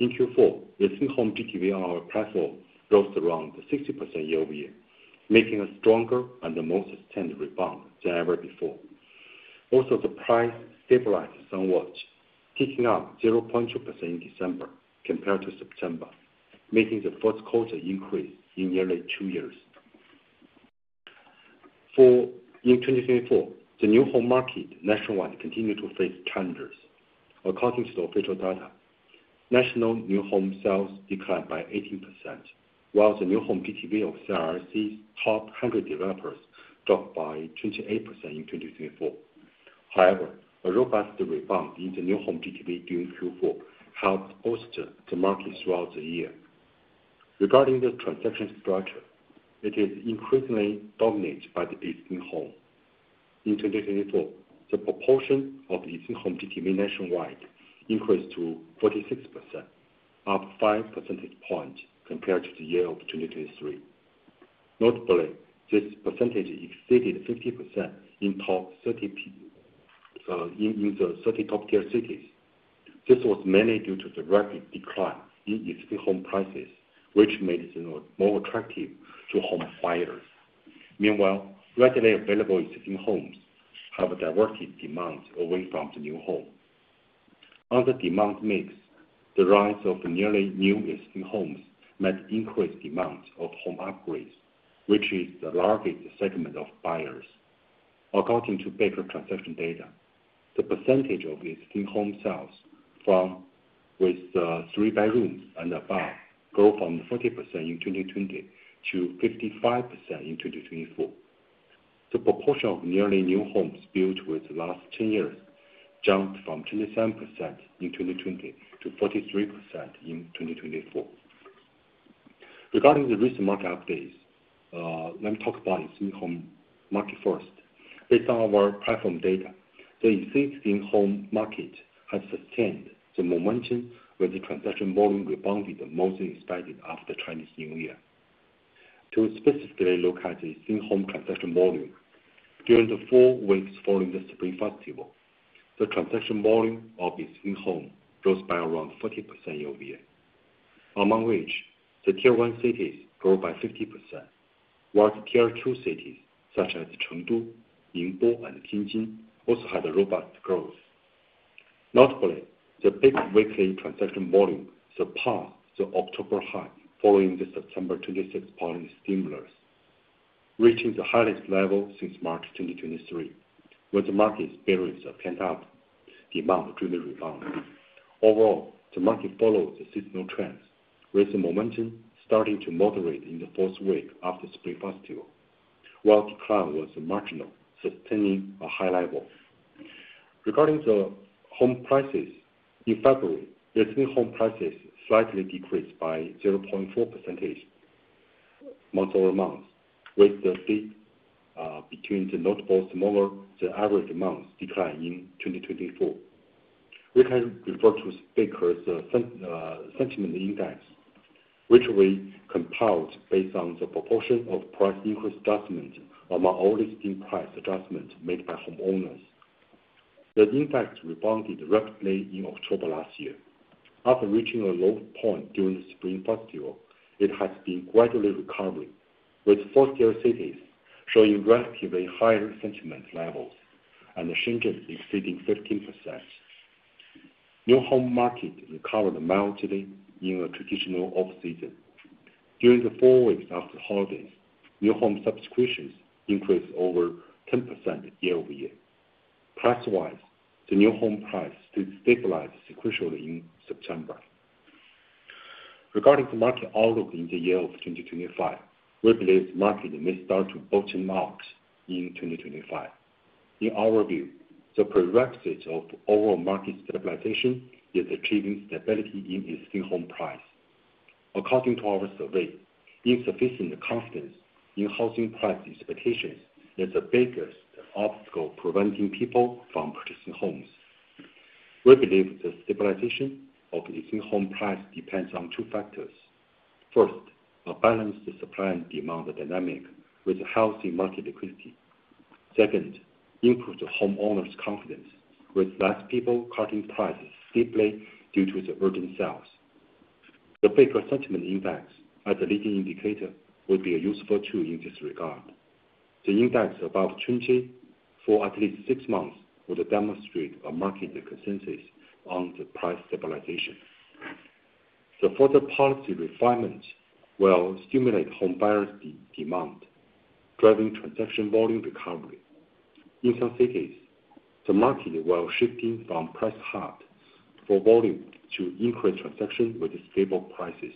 In Q4, existing home GTV on our platform rose around 60% year over year, making a stronger and more sustained rebound than ever before. Also, the price stabilized somewhat, picking up 0.2% in December compared to September, making the first quarter increase in nearly two years. In 2024, the new home market nationwide continued to face challenges. According to the official data, national new home sales declined by 18%, while the new home GTV of CRIC's top 100 developers dropped by 28% in 2024. However, a robust rebound in the new home GTV during Q4 helped bolster the market throughout the year. Regarding the transaction structure, it is increasingly dominated by the existing home. In 2024, the proportion of existing home GTV nationwide increased to 46%, up 5 percentage points compared to the year of 2023. Notably, this percentage exceeded 50% in the 30 top-tier cities. This was mainly due to the rapid decline in existing home prices, which made it more attractive to home buyers. Meanwhile, readily available existing homes have diverted demand away from the new home. On the demand mix, the rise of nearly new existing homes met increased demand of home upgrades, which is the largest segment of buyers. According to Beike transaction data, the percentage of existing home sales with three bedrooms and above grew from 40% in 2020 to 55% in 2024. The proportion of nearly new homes built within the last 10 years jumped from 27% in 2020 to 43% in 2024. Regarding the recent market updates, let me talk about existing home market first. Based on our platform data, the existing home market has sustained the momentum with the transaction volume rebounded the most expected after the Chinese New Year. To specifically look at the existing home transaction volume, during the four weeks following the Spring Festival, the transaction volume of existing home rose by around 40% year over year, among which the tier one cities grew by 50%, while the tier two cities such as Chengdu, Ningbo, and Tianjin also had a robust growth. Notably, the big weekly transaction volume surpassed the October high following the September 26 policy stimulus, reaching the highest level since March 2023, when the market experienced a pent-up demand during the rebound. Overall, the market followed the seasonal trends, with the momentum starting to moderate in the fourth week after the Spring Festival, while decline was marginal, sustaining a high level. Regarding the home prices, in February, existing home prices slightly decreased by 0.4% month-over-month, with the difference between the notable smaller-than-average amounts declining in 2024. We can refer to Beike's Sentiment Index, which we compiled based on the proportion of price increase adjustments among all listing price adjustments made by homeowners. The index rebounded rapidly in October last year. After reaching a low point during the Spring Festival, it has been gradually recovering, with four-tier cities showing relatively higher sentiment levels and Shenzhen exceeding 15%. New home market recovered mildly in a traditional off-season. During the four weeks after holidays, new home subscriptions increased over 10% year over year. Price-wise, the new home price stabilized sequentially in September. Regarding the market outlook in the year of 2025, we believe the market may start to boat in March in 2025. In our view, the prerequisite of overall market stabilization is achieving stability in existing home price. According to our survey, insufficient confidence in housing price expectations is the biggest obstacle preventing people from purchasing homes. We believe the stabilization of existing home price depends on two factors. First, a balanced supply and demand dynamic with healthy market liquidity. Second, improved homeowners' confidence with fewer people cutting prices deeply due to the urgent sales. The Beike Sentiment Index as a leading indicator would be a useful tool in this regard. The index above 30 for at least six months would demonstrate a market consensus on the price stabilization. The further policy refinements will stimulate home buyers' demand, driving transaction volume recovery. In some cities, the market will shift from price hunt for volume to increased transaction with stable prices.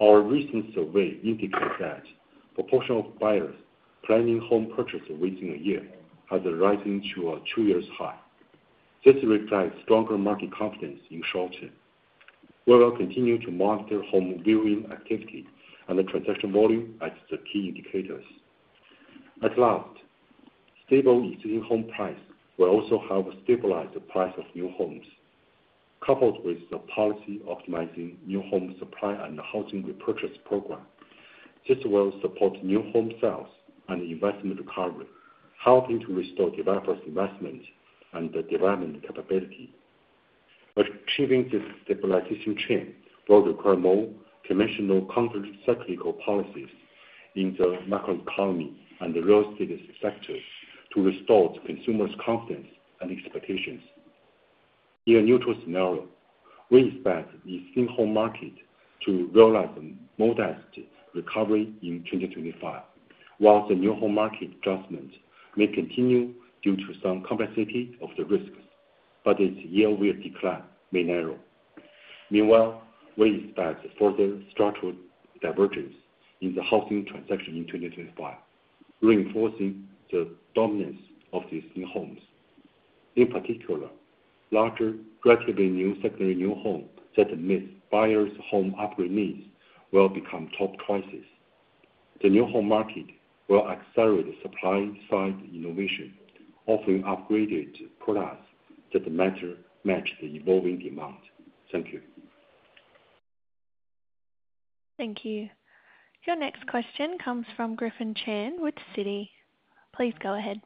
Our recent survey indicates that the proportion of buyers planning home purchase within a year has risen to a two-year high. This reflects stronger market confidence in the short term. We will continue to monitor home viewing activity and the transaction volume as the key indicators. At last, stable existing home price will also help stabilize the price of new homes. Coupled with the policy optimizing new home supply and the housing repurchase program, this will support new home sales and investment recovery, helping to restore developers' investment and development capability. Achieving this stabilization trend will require more conventional countercyclical policies in the macroeconomy and the real estate sector to restore consumers' confidence and expectations. In a neutral scenario, we expect the existing home market to realize a modest recovery in 2025, while the new home market adjustment may continue due to some complexity of the risks, but its year-over-year decline may narrow. Meanwhile, we expect further structural divergence in the housing transaction in 2025, reinforcing the dominance of existing homes. In particular, larger relatively new secondary new homes that meet buyers' home upgrade needs will become top choices. The new home market will accelerate supply-side innovation, offering upgraded products that better match the evolving demand. Thank you. Thank you. Your next question comes from Griffin Chan with Citi. Please go ahead.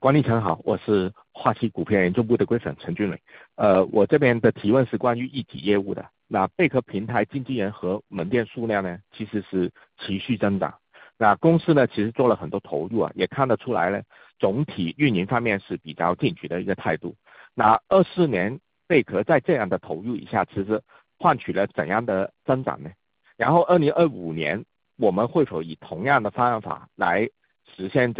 关宇层好，我是花旗股票研究部的 Griffin 陈俊磊。我这边的提问是关于一体业务的。那贝壳平台经纪人和门店数量呢，其实是持续增长。那公司呢，其实做了很多投入啊，也看得出来呢，总体运营方面是比较进取的一个态度。那24年贝壳在这样的投入以下，其实换取了怎样的增长呢？然后2025年，我们会否以同样的方法来实现这个增长呢？或者是我们会用其他的，比方说AI这种方法来提升一些增长或是效率呢？这个是第一个提问。然后呢， oh yeah, I'm going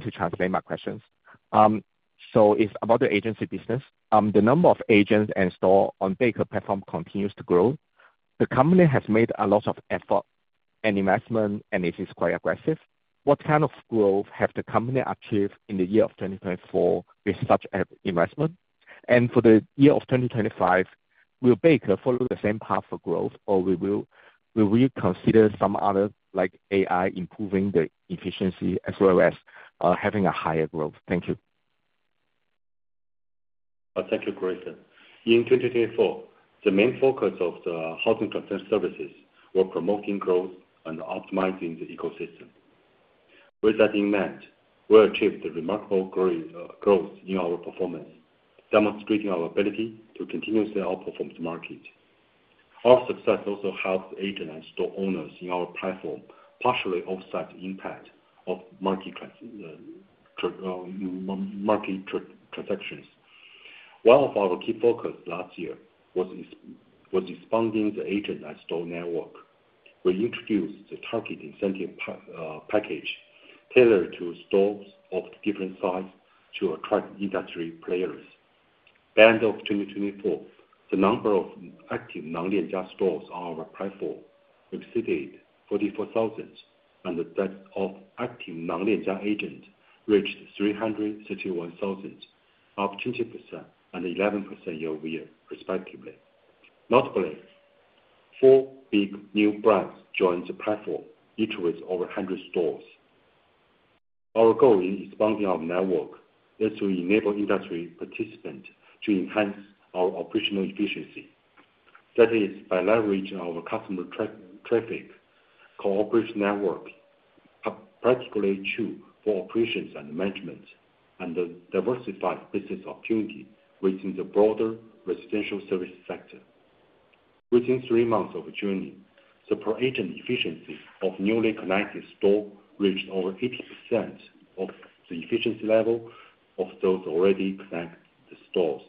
to translate my questions. So it's about the agency business. The number of agents and stores on Beike platform continues to grow. The company has made a lot of effort and investment, and it is quite aggressive. What kind of growth has the company achieved in the year of 2024 with such investment? For the year of 2025, will Beike follow the same path for growth, or will we reconsider some other, like AI, improving the efficiency as well as having a higher growth? Thank you. Thank you, Griffin. In 2024, the main focus of the housing transaction services was promoting growth and optimizing the ecosystem. With that in mind, we achieved remarkable growth in our performance, demonstrating our ability to continuously outperform the market. Our success also helps agents and store owners in our platform partially offset the impact of market transactions. One of our key focuses last year was expanding the agent and store network. We introduced the target incentive package tailored to stores of different sizes to attract industry players. By the end of 2024, the number of active non-Lianjia stores on our platform exceeded 44,000, and the depth of active non-Lianjia agents reached 331,000, up 20% and 11% year over year, respectively. Notably, four big new brands joined the platform, each with over 100 stores. Our goal in expanding our network is to enable industry participants to enhance our operational efficiency. That is, by leveraging our customer traffic, cooperation network, particularly true for operations and management, and the diversified business opportunity within the broader residential service sector. Within three months of joining, the per-agent efficiency of newly connected stores reached over 80% of the efficiency level of those already connected stores.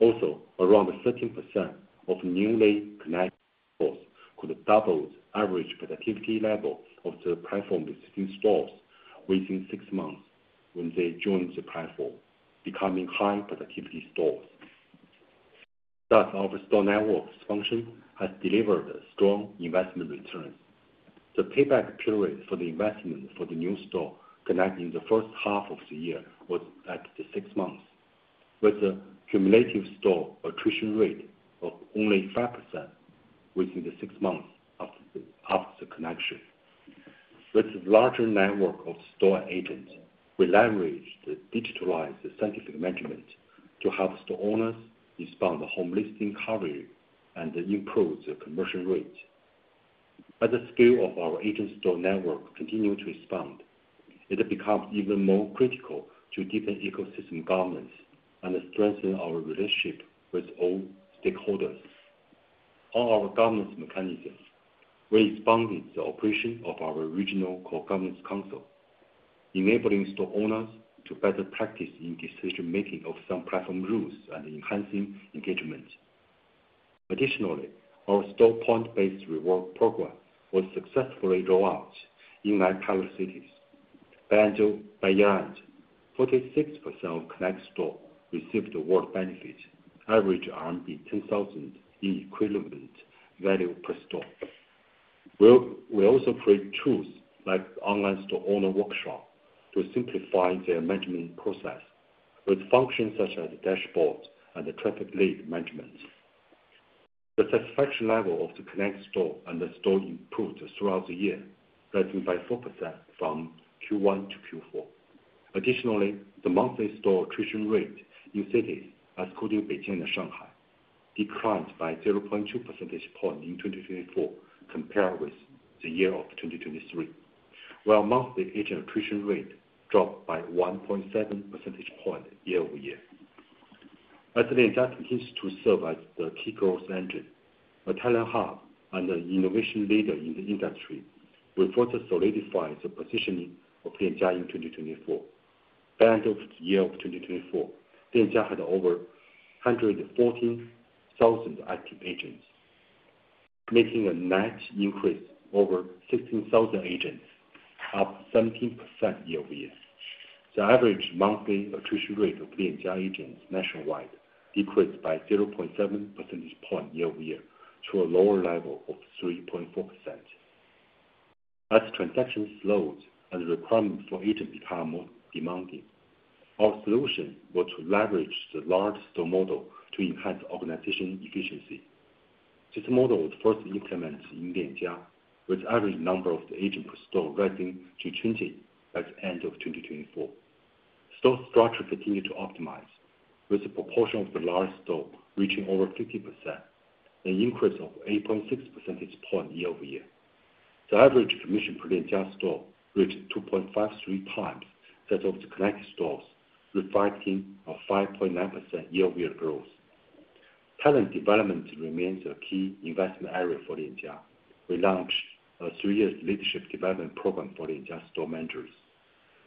Also, around 13% of newly connected stores could double the average productivity level of the platform existing stores within six months when they joined the platform, becoming high productivity stores. Thus, our store network function has delivered strong investment returns. The payback period for the investment for the new store connecting the first half of the year was at six months, with a cumulative store attrition rate of only 5% within the six months after the connection. With a larger network of store agents, we leveraged the digitalized scientific measurement to help store owners expand the home listing coverage and improve the conversion rate. As the scale of our agent store network continues to expand, it becomes even more critical to deepen ecosystem governance and strengthen our relationship with all stakeholders. On our governance mechanism, we expanded the operation of our regional co-governance council, enabling store owners to better practice in decision-making of some platform rules and enhancing engagement. Additionally, our store point-based reward program was successfully rolled out in like-pillar cities. By end of year-end, 46% of connected stores received award benefits, averaging RMB 10,000 in equivalent value per store. We also created tools like online store owner workshops to simplify their management process, with functions such as dashboards and the traffic lead management. The satisfaction level of the connected stores and the stores improved throughout the year, rising by 4% from Q1 to Q4. Additionally, the monthly store attrition rate in cities including Beijing and Shanghai declined by 0.2 percentage points in 2024 compared with the year of 2023, while monthly agent attrition rate dropped by 1.7 percentage points year over year. As the Lianjia continues to serve as the key growth engine, A tele-hub, an innovation leader in the industry, reportedly solidified the positioning of Lianjia in 2024. By the end of the year of 2024, Lianjia had over 114,000 active agents, making a net increase of over 16,000 agents, up 17% year over year. The average monthly attrition rate of Lianjia agents nationwide decreased by 0.7 percentage points year over year to a lower level of 3.4%. As transactions slowed and the requirement for agents became more demanding, our solution was to leverage the large store model to enhance organization efficiency. This model was first implemented in Lianjia, with the average number of agents per store rising to 20 by the end of 2024. Store structure continued to optimize, with the proportion of the large store reaching over 50% and an increase of 8.6 percentage points year over year. The average commission per Lianjia store reached 2.53 times that of the connected stores, reflecting a 5.9% year-over-year growth. Talent development remains a key investment area for Lianjia. We launched a three-year leadership development program for Lianjia store managers.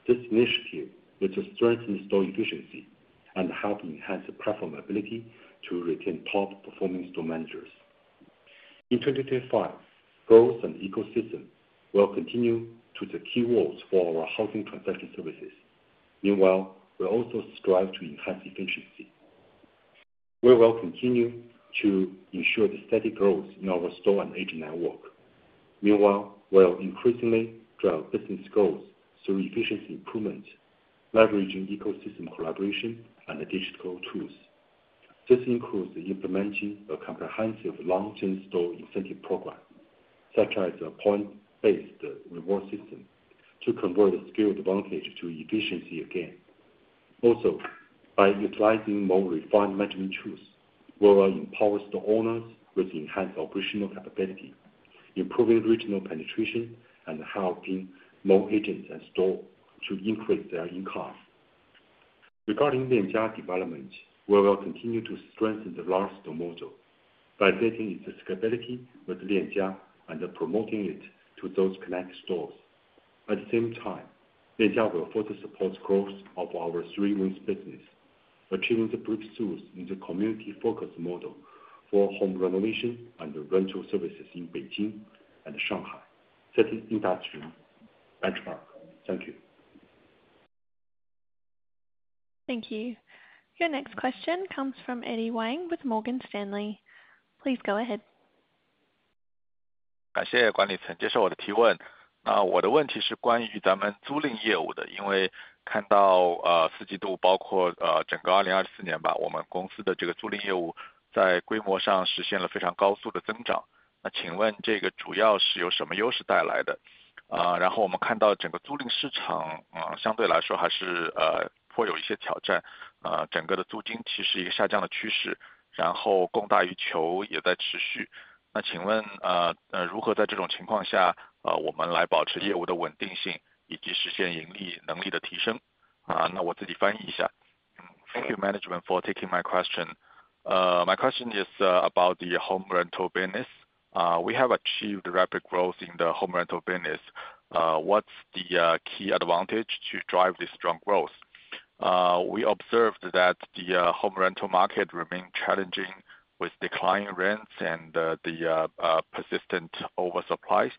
This initiative is to strengthen store efficiency and help enhance the platform ability to retain top-performing store managers. In 2025, growth and ecosystem will continue to be the key words for our housing transaction services. Meanwhile, we also strive to enhance efficiency. We will continue to ensure the steady growth in our store and agent network. Meanwhile, we'll increasingly drive business growth through efficiency improvement, leveraging ecosystem collaboration and digital tools. This includes implementing a comprehensive long-term store incentive program, such as a point-based reward system, to convert the skilled advantage to efficiency again. Also, by utilizing more refined management tools, we will empower store owners with enhanced operational capability, improving regional penetration and helping more agents and stores to increase their income. Regarding Lianjia development, we will continue to strengthen the large store model by getting its scalability with Lianjia and promoting it to those connected stores. At the same time, Lianjia will further support growth of our three-way business, achieving the BRICS tools in the community-focused model for home renovation and rental services in Beijing and Shanghai. That is industry benchmark. Thank you. Thank you. Your next question comes from Eddie Wang with Morgan Stanley. Please go ahead. 感谢管理层接受我的提问。那我的问题是关于咱们租赁业务的，因为看到四季度，包括整个2024年吧，我们公司的这个租赁业务在规模上实现了非常高速的增长。那请问这个主要是由什么优势带来的啊？然后我们看到整个租赁市场啊，相对来说还是颇有一些挑战啊，整个的租金其实一个下降的趋势，然后供大于求也在持续。那请问如何在这种情况下我们来保持业务的稳定性，以及实现盈利能力的提升啊？那我自己翻译一下。Thank you, Management, for taking my question. my question is about the home rental business. we have achieved rapid growth in the home rental business. what's the key advantage to drive this strong growth? we observed that the home rental market remained challenging with declining rents and the persistent oversupplies.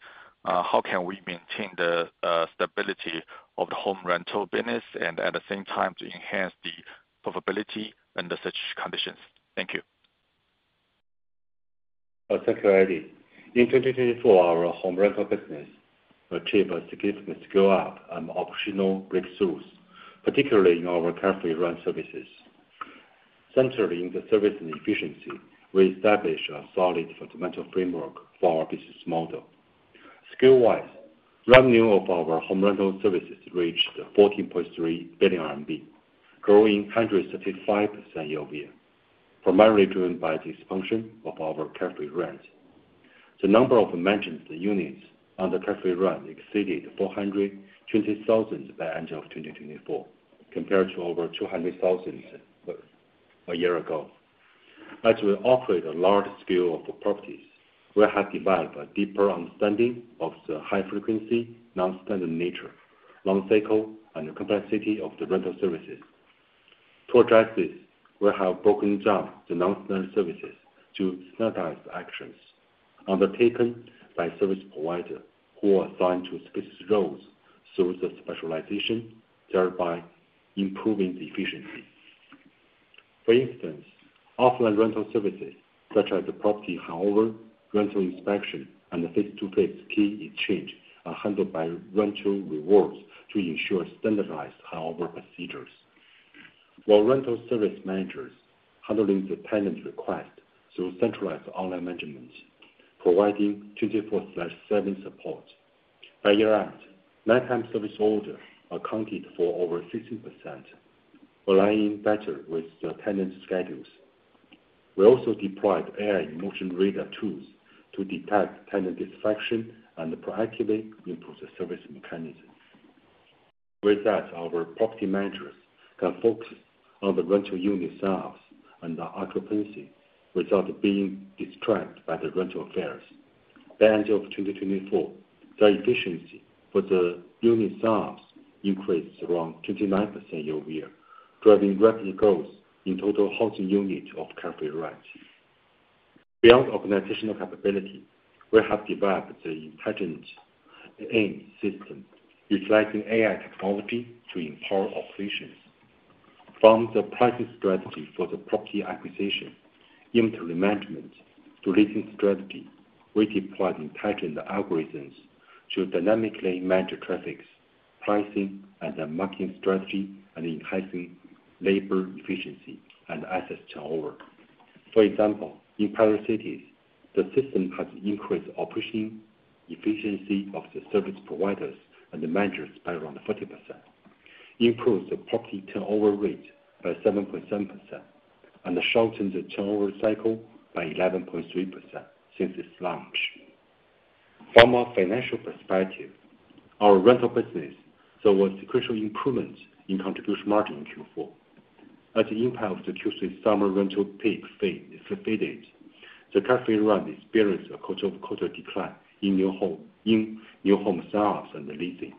how can we maintain the stability of the home rental business and at the same time to enhance the profitability under such conditions? Thank you. Thank you, Eddie. In 2024, our home rental business achieved a significant scale-up and operational breakthroughs, particularly in our carefully run services. Centered in the service and efficiency, we established a solid fundamental framework for our business model. By year-end, nighttime service orders accounted for over 16%, aligning better with the tenant schedules. We also deployed AI emotion reader tools to detect tenant distraction and proactively improve the service mechanisms. With that, our property managers can focus on the rental unit sales and occupancy without being distracted by the rental affairs. By end of 2024, their efficiency for the unit sales increased around 29% year over year, driving rapid growth in total housing units of carefully rent. Beyond organizational capability, we have developed the intelligent AI system, utilizing AI technology to empower operations. From the pricing strategy for the property acquisition into remanagement to leasing strategy, we deployed intelligent algorithms to dynamically manage traffics, pricing, and the marketing strategy, enhancing labor efficiency and assets turnover. For example, in prior cities, the system has increased operating efficiency of the service providers and the managers by around 40%, improved the property turnover rate by 7.7%, and shortened the turnover cycle by 11.3% since its launch. From a financial perspective, our rental business saw a sequential improvement in contribution margin in Q4. As the impact of the Q3 summer rental peak faded, the carefully run experienced a quarter-over-quarter decline in new home sales and the leasing.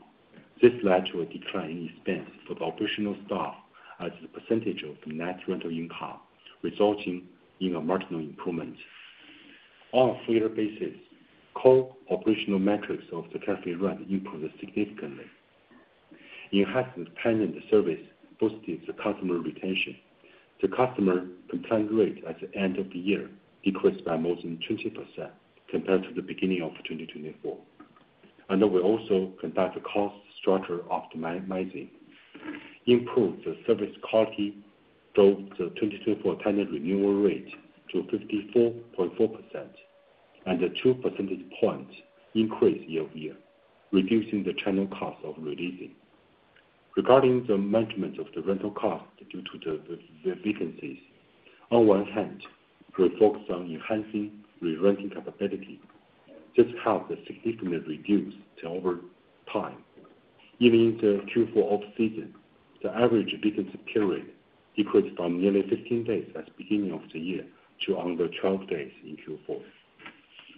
This led to a decline in expense for the operational staff as a percentage of net rental income, resulting in a marginal improvement. On a three-year basis, core operational metrics of the carefully run improved significantly. Enhanced tenant service boosted the customer retention. The customer complaint rate at the end of the year decreased by more than 20% compared to the beginning of 2024. We also conducted cost structure optimizing, improved the service quality, drove the 2024 tenant renewal rate to 54.4%, and a 2 percentage point increase year over year, reducing the channel cost of releasing. Regarding the management of the rental cost due to the vacancies, on one hand, we focused on enhancing re-renting capability. This helped significantly reduce turnover time. Even in the Q4 off-season, the average vacancy period decreased from nearly 15 days at the beginning of the year to under 12 days in Q4.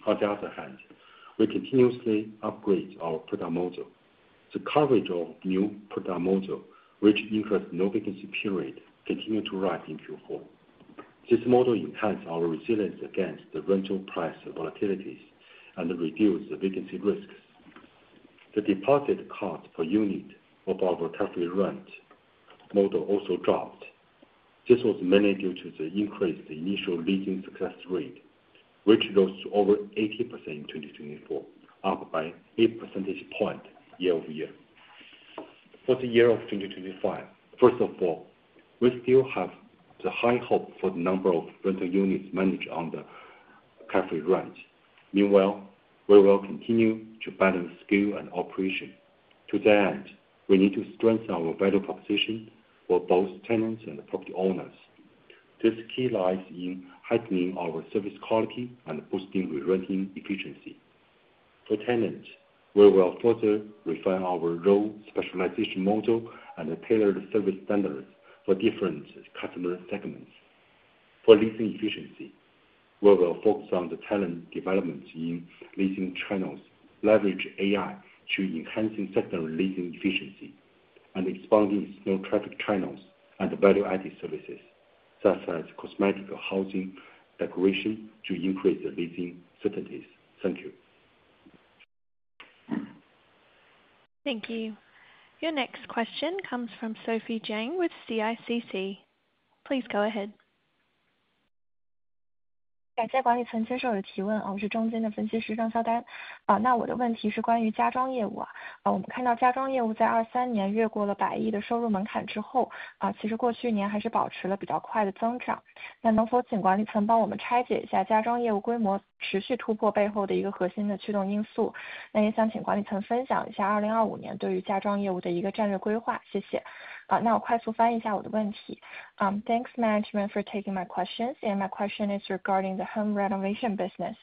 On the other hand, we continuously upgraded our product model. The coverage of new product model, which increased no vacancy period, continued to rise in Q4. This model enhanced our resilience against the rental price volatilities and reduced the vacancy risks. The deposit cost per unit of our carefully run model also dropped. This was mainly due to the increased initial leasing success rate, which rose to over 80% in 2024, up by 8 percentage points year over year. For the year of 2025, first of all, we still have the high hope for the number of rental units managed under carefully run. Meanwhile, we will continue to balance skill and operation. To that end, we need to strengthen our value proposition for both tenants and property owners. This key lies in heightening our service quality and boosting re-renting efficiency. For tenants, we will further refine our role specialization model and tailor the service standards for different customer segments. For leasing efficiency, we will focus on the talent development in leasing channels, leverage AI to enhance in-sector leasing efficiency, and expanding small traffic channels and value-added services such as cosmetic housing decoration to increase the leasing certainties. Thank you. Thank you. Your next question comes from Sophie Jiang with CICC. Please go ahead. Thanks, Management, for taking my questions, and my question is regarding the home renovation business.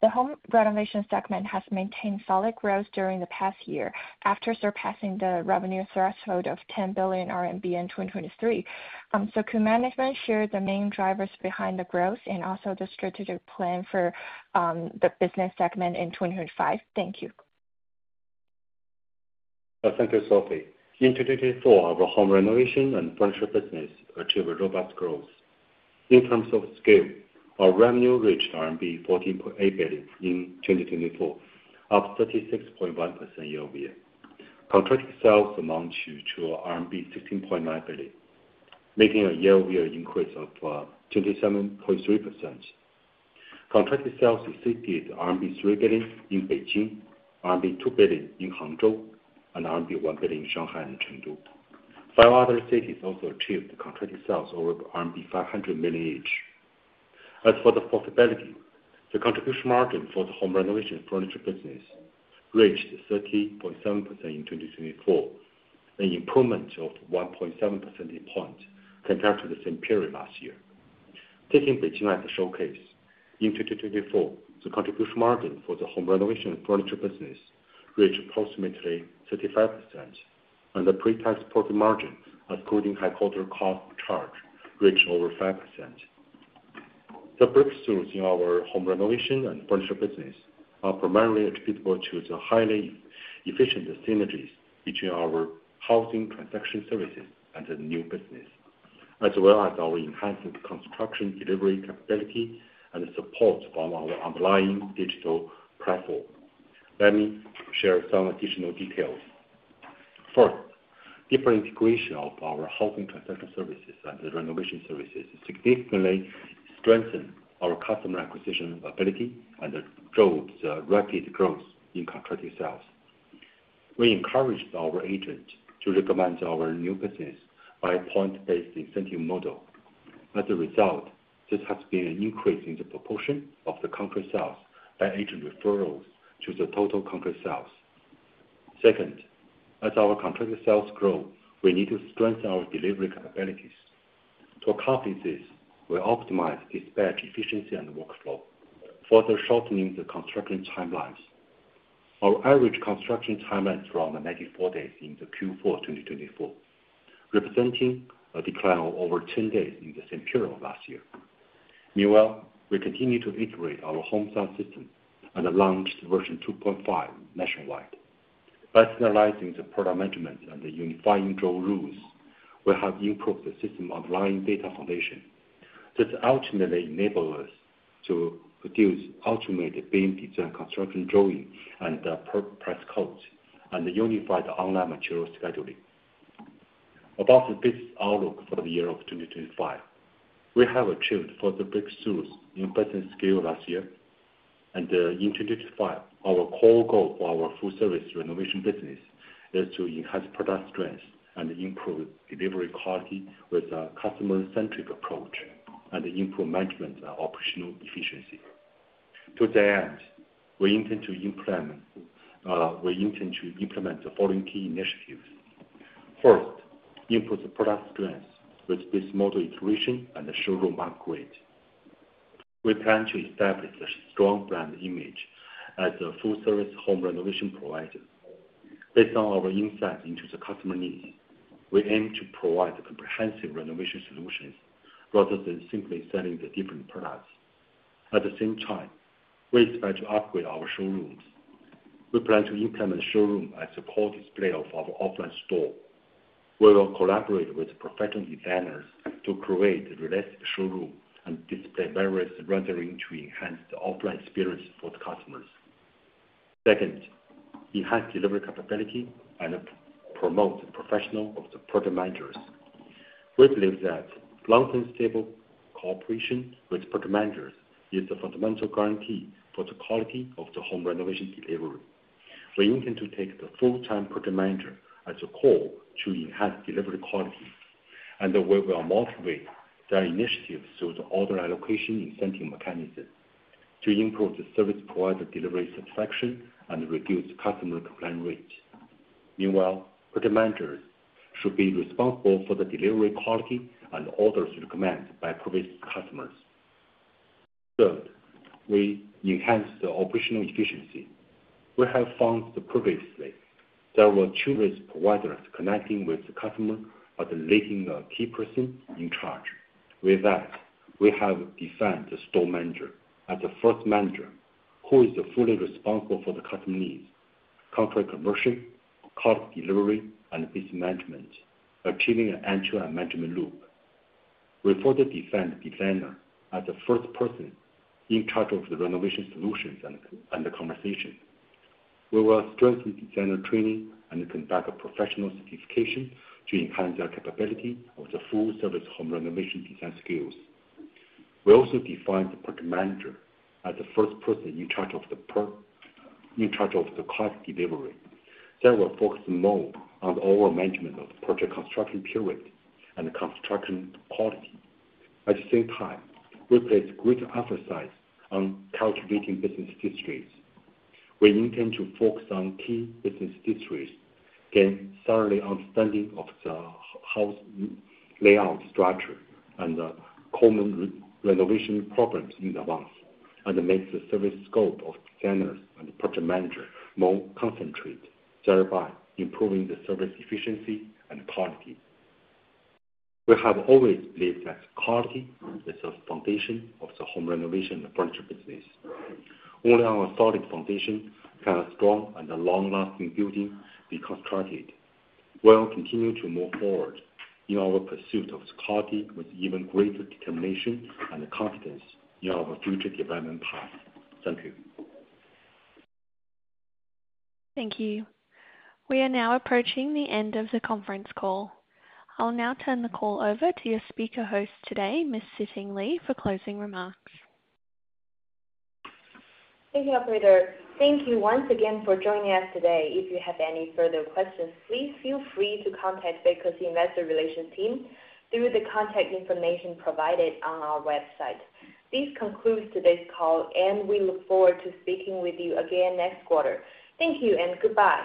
The home renovation segment has maintained solid growth during the past year after surpassing the revenue threshold of 10 billion RMB in 2023. Can Management share the main drivers behind the growth and also the strategic plan for the business segment in 2025? Thank you. Thank you, Sophie. In 2024, our home renovation and furniture business achieved robust growth. In terms of scale, our revenue reached RMB 14.8 billion in 2024, up 36.1% year over year. Contracted sales amounted to RMB 16.9 billion, making a year-over-year increase of 27.3%. Contracted sales exceeded RMB 3 billion in Beijing, RMB 2 billion in Hangzhou, and RMB 1 billion in Shanghai and Chengdu. Five other cities also achieved contracted sales over RMB 500 million each. As for the profitability, the contribution margin for the home renovation furniture business reached 30.7% in 2024, an improvement of 1.7 percentage points compared to the same period last year. Taking Beijing as a showcase, in 2024, the contribution margin for the home renovation furniture business reached approximately 35%, and the pre-tax profit margin, excluding headquarter cost charge, reached over 5%. The BRICS tools in our home renovation and furniture business are primarily attributable to the highly efficient synergies between our housing transaction services and the new business, as well as our enhanced construction delivery capability and support from our underlying digital platform. Let me share some additional details. First, deeper integration of our housing transaction services and the renovation services significantly strengthened our customer acquisition ability and drove the rapid growth in contracted sales. We encouraged our agents to recommend our new business by a point-based incentive model. As a result, there has been an increase in the proportion of the contract sales by agent referrals to the total contract sales. Second, as our contracted sales grow, we need to strengthen our delivery capabilities. To accomplish this, we optimized dispatch efficiency and workflow, further shortening the construction timelines. Our average construction timeline is around 94 days in Q4 2024, representing a decline of over 10 days in the same period last year. Meanwhile, we continue to iterate our home sales system and launched version 2.5 nationwide. By standardizing the product management and unifying draw rules, we have improved the system underlying data foundation. This ultimately enables us to produce ultimate BIM design construction drawing and the price codes, and the unified online material scheduling. About the business outlook for the year of 2025, we have achieved further BRICS tools in business scale last year. In 2025, our core goal for our full-service renovation business is to enhance product strength and improve delivery quality with a customer-centric approach and improve management and operational efficiency. To that end, we intend to implement the following key initiatives. First, improve the product strength with this model iteration and the showroom upgrade. We plan to establish a strong brand image as a full-service home renovation provider. Based on our insight into the customer needs, we aim to provide comprehensive renovation solutions rather than simply selling the different products. At the same time, we expect to upgrade our showrooms. We plan to implement a showroom as a core display of our offline store. We will collaborate with professional designers to create a realistic showroom and display various renderings to enhance the offline experience for the customers. Second, enhance delivery capability and promote the professionalism of the product managers. We believe that long-term stable cooperation with product managers is the fundamental guarantee for the quality of the home renovation delivery. We intend to take the full-time product manager as a core to enhance delivery quality, and we will motivate their initiatives through the order allocation incentive mechanism to improve the service provider delivery satisfaction and reduce customer complaint rates. Meanwhile, product managers should be responsible for the delivery quality and orders recommended by previous customers. Third, we enhance the operational efficiency. We have found previously there were two risk providers connecting with the customer or the leading key person in charge. With that, we have defined the store manager as the first manager who is fully responsible for the customer needs, contract commercial, cart delivery, and business management, achieving an end-to-end management loop. We further define the designer as the first person in charge of the renovation solutions and the conversation. We will strengthen designer training and conduct a professional certification to enhance their capability of the full-service home renovation design skills. We also define the product manager as the first person in charge of the cart delivery. There will focus more on the overall management of the project construction period and the construction quality. At the same time, we place great emphasis on calculating business districts. We intend to focus on key business districts, gain thorough understanding of the house layout structure and the common renovation problems in the month, and make the service scope of designers and the project manager more concentrated, thereby improving the service efficiency and quality. We have always believed that quality is the foundation of the home renovation and furniture business. Only on a solid foundation can a strong and long-lasting building be constructed. We will continue to move forward in our pursuit of quality with even greater determination and competence in our future development path. Thank you. Thank you. We are now approaching the end of the conference call. I'll now turn the call over to your speaker host today, Ms. Siting Liu, for closing remarks. Thank you, Operator. Thank you once again for joining us today. If you have any further questions, please feel free to contact Beike's Investor Relations team through the contact information provided on our website. This concludes today's call, and we look forward to speaking with you again next quarter. Thank you and goodbye.